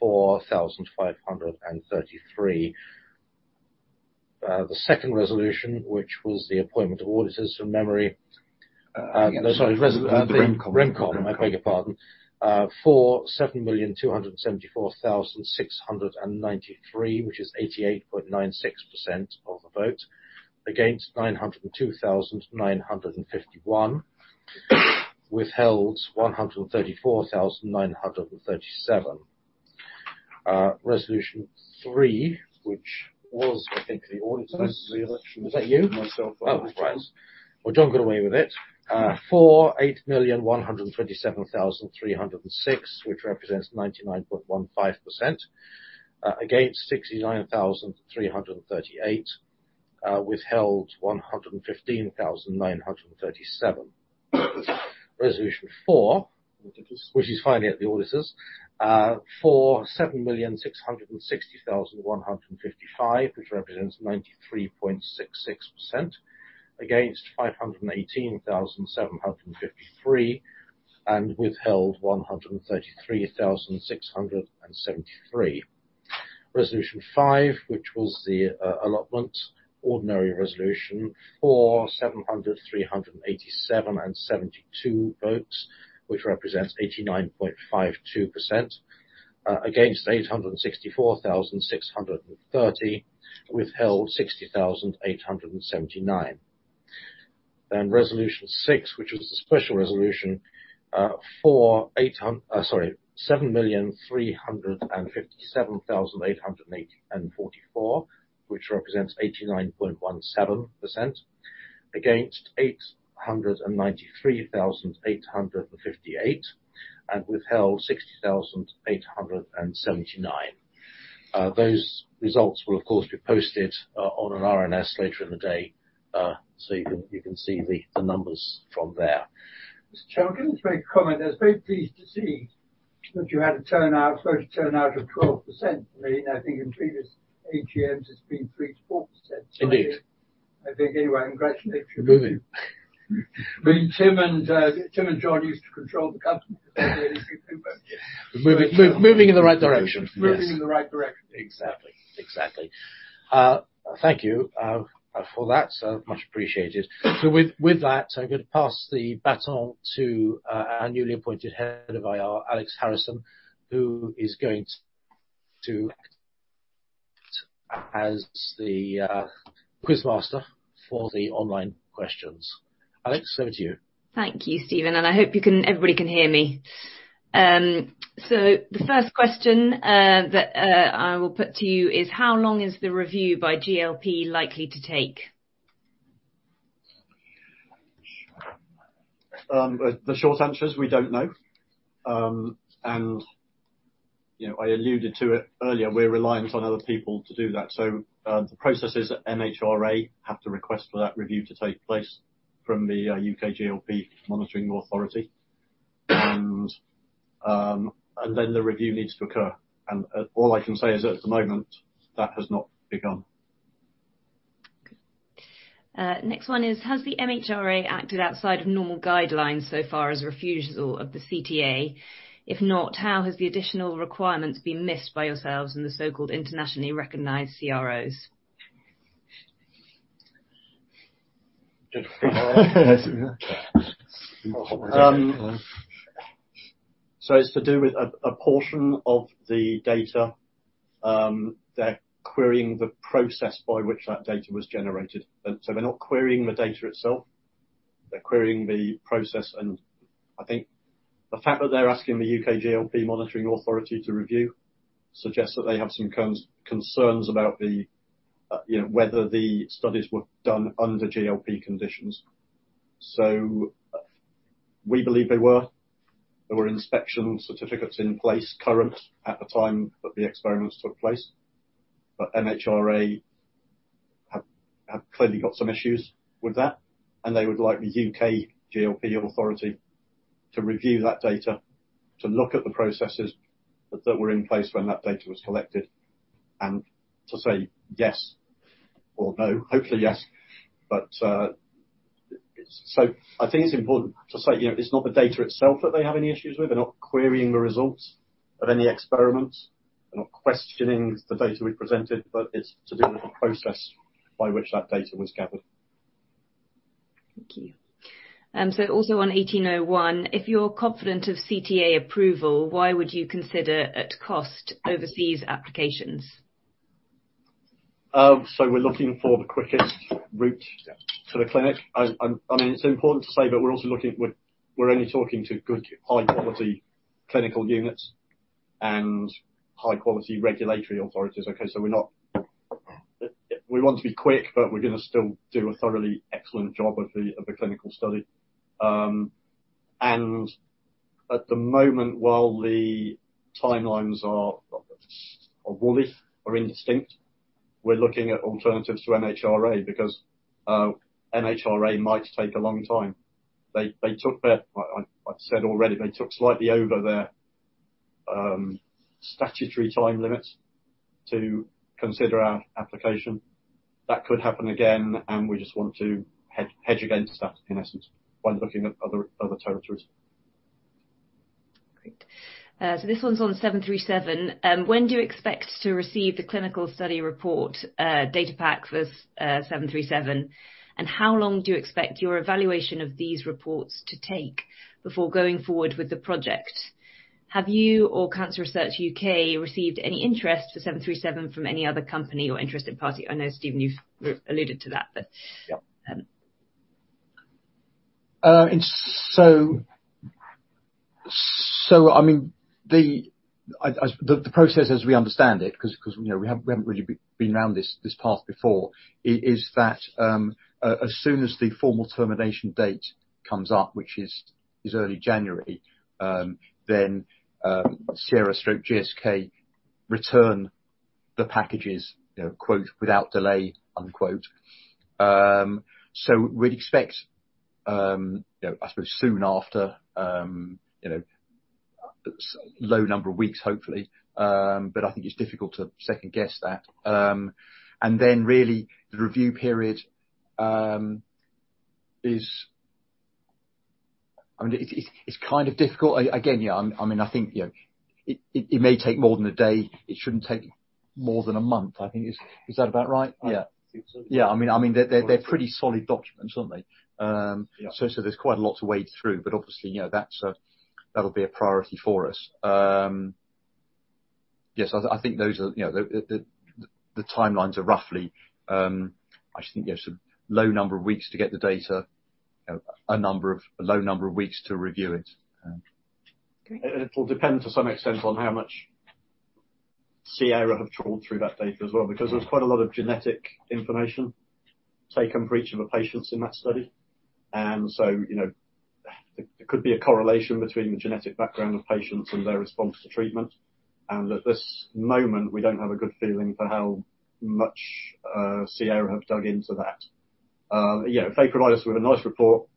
4,533. The second resolution, which was the appointment of auditors from memory. No, sorry. The Remcom. The Remcom. I beg your pardon. For 7,274,693, which is 88.96% of the vote. Against 902,951. Withheld 134,937. Resolution 3, which was I think the auditors. That's the election. Is that you? Myself Right. Well, John got away with it for 8,127,306, which represents 99.15%. Against 69,338. Withheld 115,937. Resolution 4, which is finally at the auditors, for 7,660,155, which represents 93.66%. Against 518,753. Withheld 133,673. Resolution 5, which was the allotment ordinary resolution for 700,387.72 votes, which represents 89.52%. Against 864,630. Withheld 60,879. Resolution 6, which was a special resolution, for 7,357,884, which represents 89.17% against 893,858. Withheld, 60,879. Those results will of course be posted on an RNS later in the day, so you can see the numbers from there. Mr. Chairman, can I just make a comment? I was very pleased to see that you had a turnout, voter turnout of 12%. For me, I think in previous AGMs, it's been 3%-4%. Indeed. I think, anyway, congratulations. Moving. I mean, Tim and John used to control the company. Moving in the right direction. Moving in the right direction. Exactly. Exactly. Thank you for that. Much appreciated. With that, I'm gonna pass the baton to our newly appointed head of IR, Alex Harrison, who is going to act as the quizmaster for the online questions. Alex, over to you. Thank you, Stephen, I hope everybody can hear me. The first question, that, I will put to you is, how long is the review by GLP likely to take? The short answer is we don't know. You know, I alluded to it earlier, we're reliant on other people to do that. The processes at MHRA have to request for that review to take place from the U.K. GLP Monitoring Authority. Then the review needs to occur. All I can say is at the moment that has not begun. Good. next one is, has the MHRA acted outside of normal guidelines so far as refusal of the CTA? If not, how has the additional requirements been missed by yourselves and the so-called internationally recognized CROs? It's to do with a portion of the data, they're querying the process by which that data was generated. They're not querying the data itself, they're querying the process. I think the fact that they're asking the U.K GLP Monitoring Authority to review suggests that they have some concerns about the, you know, whether the studies were done under GLP conditions. We believe they were. There were inspection certificates in place current at the time that the experiments took place, but MHRA have clearly got some issues with that, and they would like the U.K. GLP Authority to review that data, to look at the processes that were in place when that data was collected, and to say yes or no. Hopefully yes. I think it's important to say, you know, it's not the data itself that they have any issues with. They're not querying the results of any experiments. They're not questioning the data we presented, it's to do with the process by which that data was gathered. Thank you. Also on SDC-1801, if you're confident of CTA approval, why would you consider at cost overseas applications? We're looking for the quickest route to the clinic. I mean, it's important to say, but we're also looking, we're only talking to good high quality clinical units and high quality regulatory authorities. Okay. We're not. We want to be quick, but we're gonna still do a thoroughly excellent job of the clinical study. At the moment, while the timelines are wooly or indistinct, we're looking at alternatives to MHRA because MHRA might take a long time. They took their, I've said already they took slightly over their statutory time limits to consider our application. That could happen again, we just want to hedge against that, in essence, by looking at other territories. Great. This one's on seven three seven. When do you expect to receive the clinical study report, data pack for seven three seven? How long do you expect your evaluation of these reports to take before going forward with the project? Have you or Cancer Research U.K. received any interest for seven three seven from any other company or interested party? I know, Stephen, you've alluded to that. Yep. Um. I mean, the process as we understand it 'cause you know, we haven't really been down this path before is that, as soon as the formal termination date comes up, which is early January, Sierra stroke GSK return the packages, you know, quote, "Without delay," unquote. We'd expect, you know, I suppose soon after, you know, low number of weeks, hopefully. I think it's difficult to second-guess that. Really the review period is I mean, it's kind of difficult. Again, yeah, I mean, I think, you know, it may take more than a day. It shouldn't take more than a month, I think. Is that about right? Yeah. I think so. Yeah. I mean, they're pretty solid documents, aren't they? Yeah. There's quite a lot to wade through, but obviously, you know, that'll be a priority for us. Yes, I think those are, you know, the, the timelines are roughly, I just think there's some low number of weeks to get the data, a low number of weeks to review it. It will depend to some extent on how much Sierra have trawled through that data as well, because there's quite a lot of genetic information taken for each of the patients in that study. You know, there could be a correlation between the genetic background of patients and their response to treatment. At this moment, we don't have a good feeling for how much Sierra have dug into that. Yeah, if they provide us with a nice report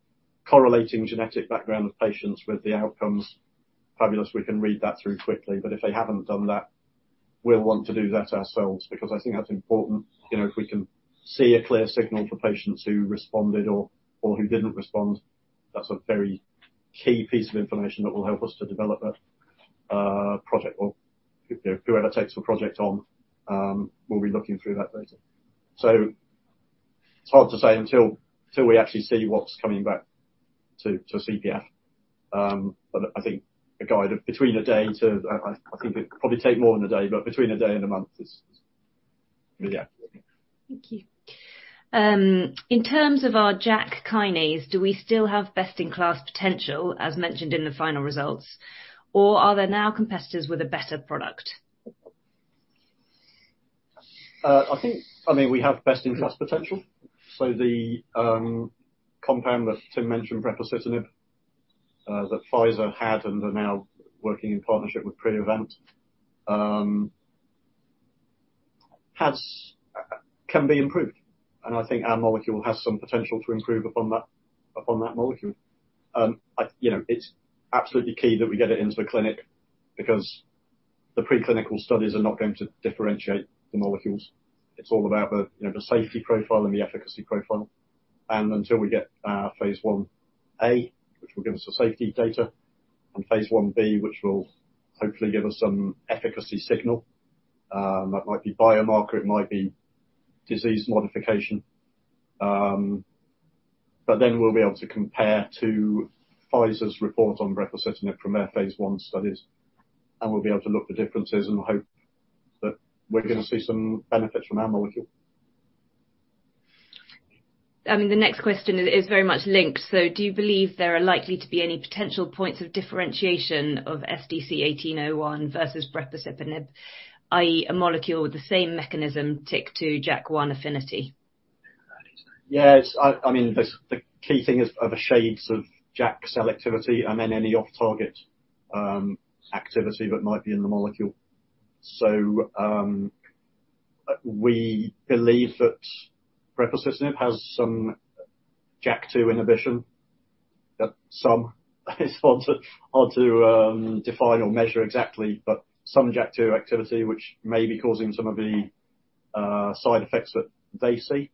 correlating genetic background of patients with the outcomes, fabulous, we can read that through quickly. If they haven't done that, we'll want to do that ourselves, because I think that's important. You know, if we can see a clear signal for patients who responded or who didn't respond, that's a very key piece of information that will help us to develop a project or whoever takes the project on, will be looking through that data. It's hard to say until we actually see what's coming back to CPF. I think a guide of between a day I think it could probably take more than a day, but between a day and a month is, yeah. Thank you. In terms of our JAK kinase, do we still have best-in-class potential as mentioned in the final results, or are there now competitors with a better product? I think, I mean, we have best-in-class potential. The compound that Tim mentioned, brepocitinib, that Pfizer had and are now working in partnership with Priovant can be improved. I think our molecule has some potential to improve upon that molecule. I, you know, it's absolutely key that we get it into the clinic because the preclinical studies are not going to differentiate the molecules. It's all about the, you know, the safety profile and the efficacy profile. Until we get our phase 1a, which will give us the safety data, and phase 1b, which will hopefully give us some efficacy signal, that might be biomarker, it might be disease modification. We'll be able to compare to Pfizer's report on brepocitinib from their phase I studies, and we'll be able to look for differences and hope that we're gonna see some benefits from our molecule. I mean, the next question is very much linked. Do you believe there are likely to be any potential points of differentiation of SDC-1801 versus brepocitinib, i.e., a molecule with the same mechanism TYK2/JAK1 affinity? Yes. I mean, the key thing is, are the shades of JAK selectivity and then any off-target activity that might be in the molecule. We believe that brepocitinib has some JAK2 inhibition, that some sponsors are to define or measure exactly, but some JAK2 activity which may be causing some of the side effects that they see.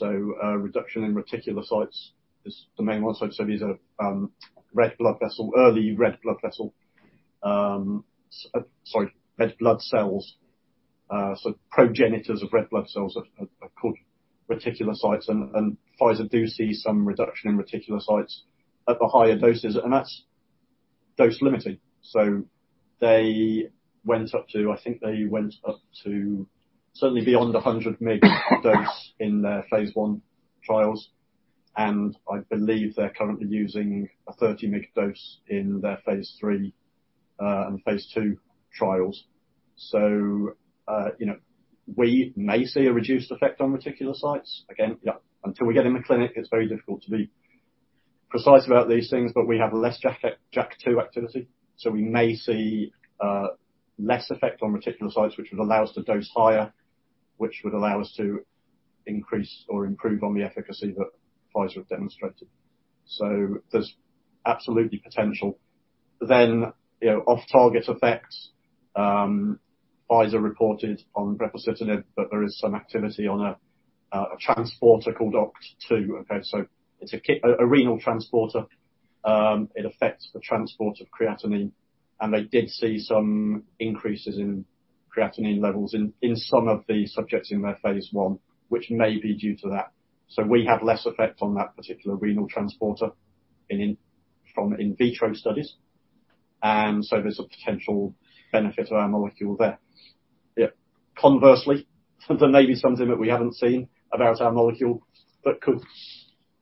Reduction in reticulocytes is the main one. These are red blood vessel, early red blood vessel, sorry, red blood cells. Progenitors of red blood cells are called reticulocytes. Pfizer do see some reduction in reticulocytes at the higher doses, and that's dose-limiting. They went up to, I think they went up to certainly beyond a 100 mg dose in their phase I trials. I believe they're currently using a 30 mg dose in their phase III and phase II trials. You know, we may see a reduced effect on reticulocytes. Again, yeah, until we get in the clinic, it's very difficult to be precise about these things. We have less JAK, JAK2 activity, so we may see less effect on reticulocytes, which would allow us to dose higher, which would allow us to increase or improve on the efficacy that Pfizer have demonstrated. There's absolutely potential. You know, off-target effects, Pfizer reported on brepocitinib that there is some activity on a transporter called OCT2. Okay. It's a renal transporter. It affects the transport of creatinine, and they did see some increases in creatinine levels in some of the subjects in their phase I, which may be due to that. We have less effect on that particular renal transporter from in vitro studies. There's a potential benefit to our molecule there. Conversely, there may be something that we haven't seen about our molecule that could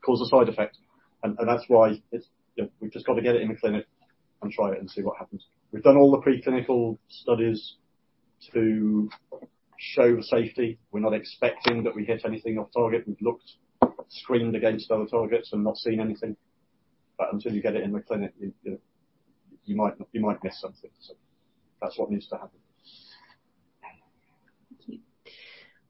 cause a side effect. That's why it's, we've just got to get it in the clinic and try it and see what happens. We've done all the preclinical studies to show the safety. We're not expecting that we hit anything off target. We've looked, screened against other targets and not seen anything. Until you get it in the clinic, you know, you might miss something. That's what needs to happen.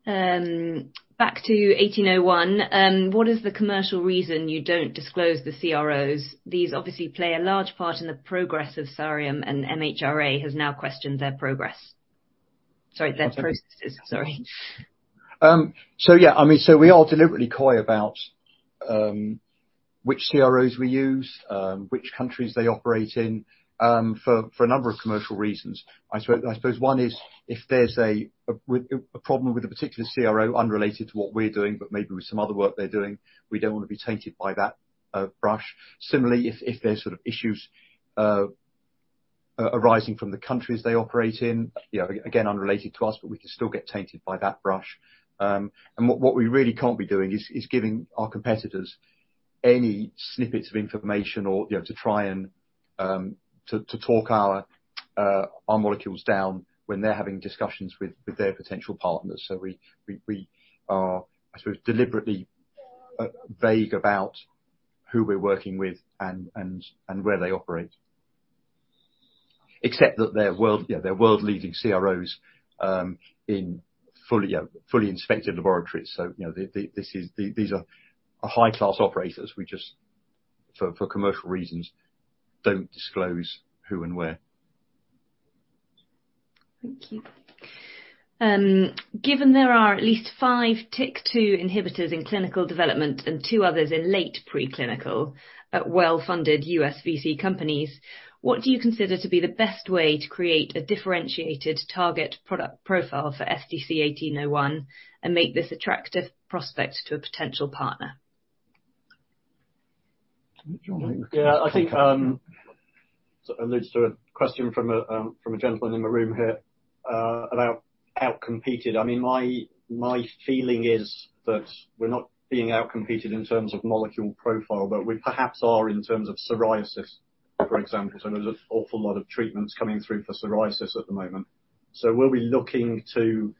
Thank you. Back to SDC-1801. What is the commercial reason you don't disclose the CROs? These obviously play a large part in the progress of Sareum. MHRA has now questioned their progress. Sorry, that's for assistance. Sorry. Yeah. I mean, so we are deliberately coy about which CROs we use, which countries they operate in, for a number of commercial reasons. I suppose one is, if there's a problem with a particular CRO unrelated to what we're doing, but maybe with some other work they're doing, we don't wanna be tainted by that brush. Similarly, if there's sort of issues arising from the countries they operate in, you know, again, unrelated to us, but we can still get tainted by that brush. And what we really can't be doing is giving our competitors any snippets of information or, you know, to try and to talk our molecules down when they're having discussions with their potential partners. We are, I suppose, deliberately vague about who we're working with and where they operate. Except that they're world-leading CROs in fully inspected laboratories. You know, this is. These are high-class operators. We just, for commercial reasons, don't disclose who and where. Thank you. Given there are at least 5 TYK2 inhibitors in clinical development and 2 others in late preclinical at well-funded U.S. VC companies, what do you consider to be the best way to create a differentiated target product profile for SDC-1801 and make this attractive prospect to a potential partner? Do you want. I think sort of alludes to a question from a gentleman in the room here about outcompeted. I mean, my feeling is that we're not being outcompeted in terms of molecule profile, but we perhaps are in terms of psoriasis, for example. There's an awful lot of treatments coming through for psoriasis at the moment. We'll be looking to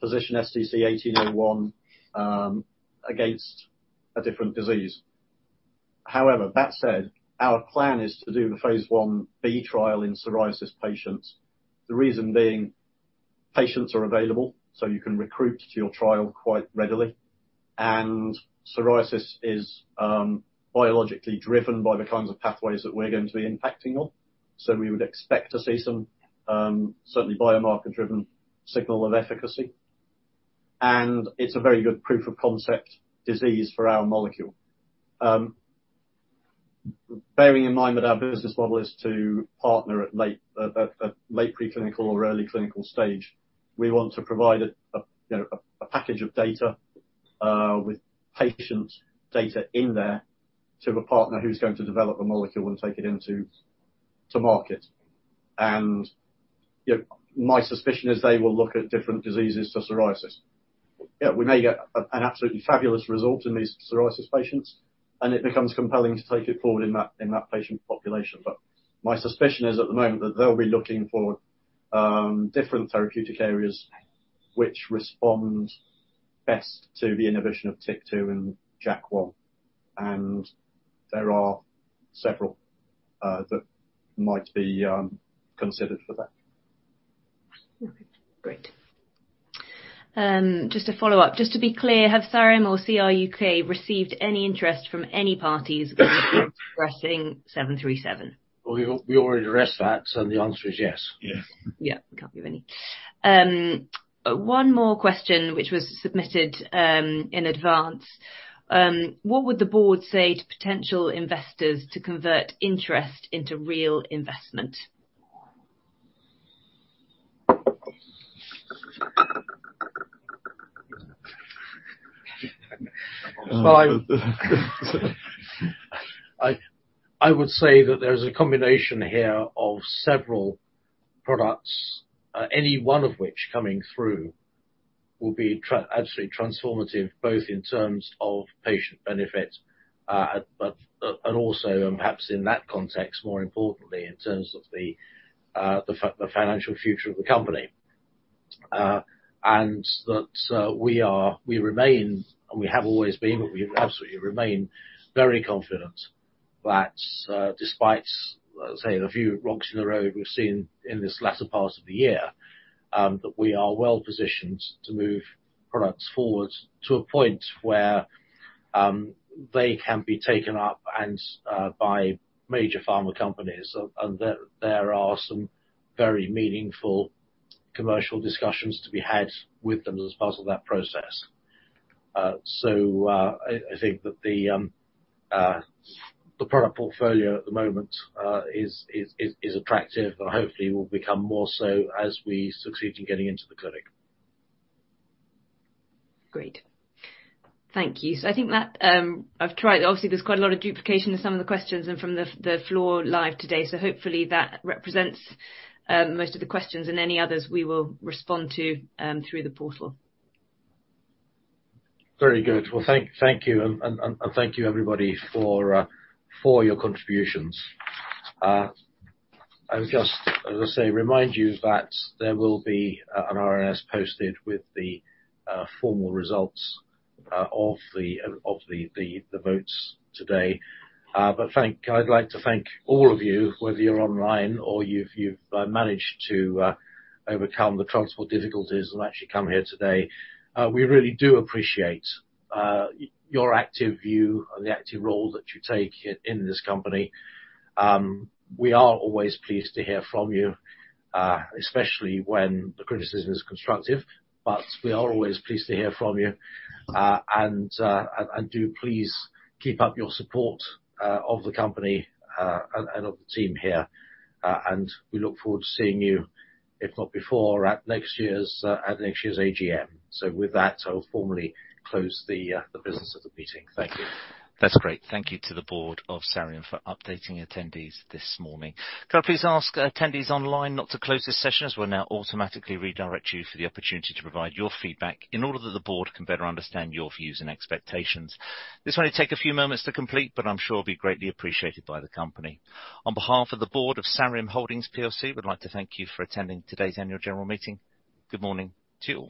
position SDC-1801 against a different disease. However, that said, our plan is to do the Phase 1b trial in psoriasis patients. The reason being, patients are available, so you can recruit to your trial quite readily. Psoriasis is biologically driven by the kinds of pathways that we're going to be impacting on. We would expect to see some certainly biomarker-driven signal of efficacy. It's a very good proof of concept disease for our molecule. Bearing in mind that our business model is to partner at late preclinical or early clinical stage, we want to provide you know, a package of data with patient data in there to a partner who's going to develop a molecule and take it into market. You know, my suspicion is they will look at different diseases to psoriasis. Yeah, we may get an absolutely fabulous result in these psoriasis patients, and it becomes compelling to take it forward in that patient population. My suspicion is at the moment that they'll be looking for different therapeutic areas which respond best to the inhibition of TYK2 and JAK1, and there are several that might be considered for that. Okay. Great. Just a follow-up. Just to be clear, have Sareum or CRUK received any interest from any parties addressing SRA737? We already addressed that. The answer is yes. Yes. Can't hear any. One more question which was submitted in advance. What would the board say to potential investors to convert interest into real investment? Well, I would say that there's a combination here of several products, any one of which coming through will be absolutely transformative, both in terms of patient benefit, but also, and perhaps in that context, more importantly, in terms of the financial future of the company. That, we remain, and we have always been, but we absolutely remain very confident that, despite, say, the few rocks in the road we've seen in this latter part of the year, that we are well positioned to move products forward to a point where, they can be taken up and by major pharma companies. There are some very meaningful commercial discussions to be had with them as part of that process. I think that the product portfolio at the moment, is attractive and hopefully will become more so as we succeed in getting into the clinic. Great. Thank you. I think that, obviously, there's quite a lot of duplication of some of the questions and from the floor live today, so hopefully that represents most of the questions. Any others we will respond to through the portal. Very good. Well, thank you. Thank you everybody for your contributions. I would just, as I say, remind you that there will be an RNS posted with the formal results of the votes today. I'd like to thank all of you, whether you're online or you've managed to overcome the transport difficulties and actually come here today. We really do appreciate your active view and the active role that you take here in this company. We are always pleased to hear from you, especially when the criticism is constructive, but we are always pleased to hear from you. Do please keep up your support of the company and of the team here. We look forward to seeing you, if not before, at next year's AGM. With that, I'll formally close the business of the meeting. Thank you. That's great. Thank you to the board of Sareum for updating attendees this morning. Could I please ask attendees online not to close this session, as we'll now automatically redirect you for the opportunity to provide your feedback in order that the board can better understand your views and expectations. This will only take a few moments to complete, but I'm sure it'll be greatly appreciated by the company. On behalf of the board of Sareum Holdings PLC, we'd like to thank you for attending today's annual general meeting. Good morning to you all.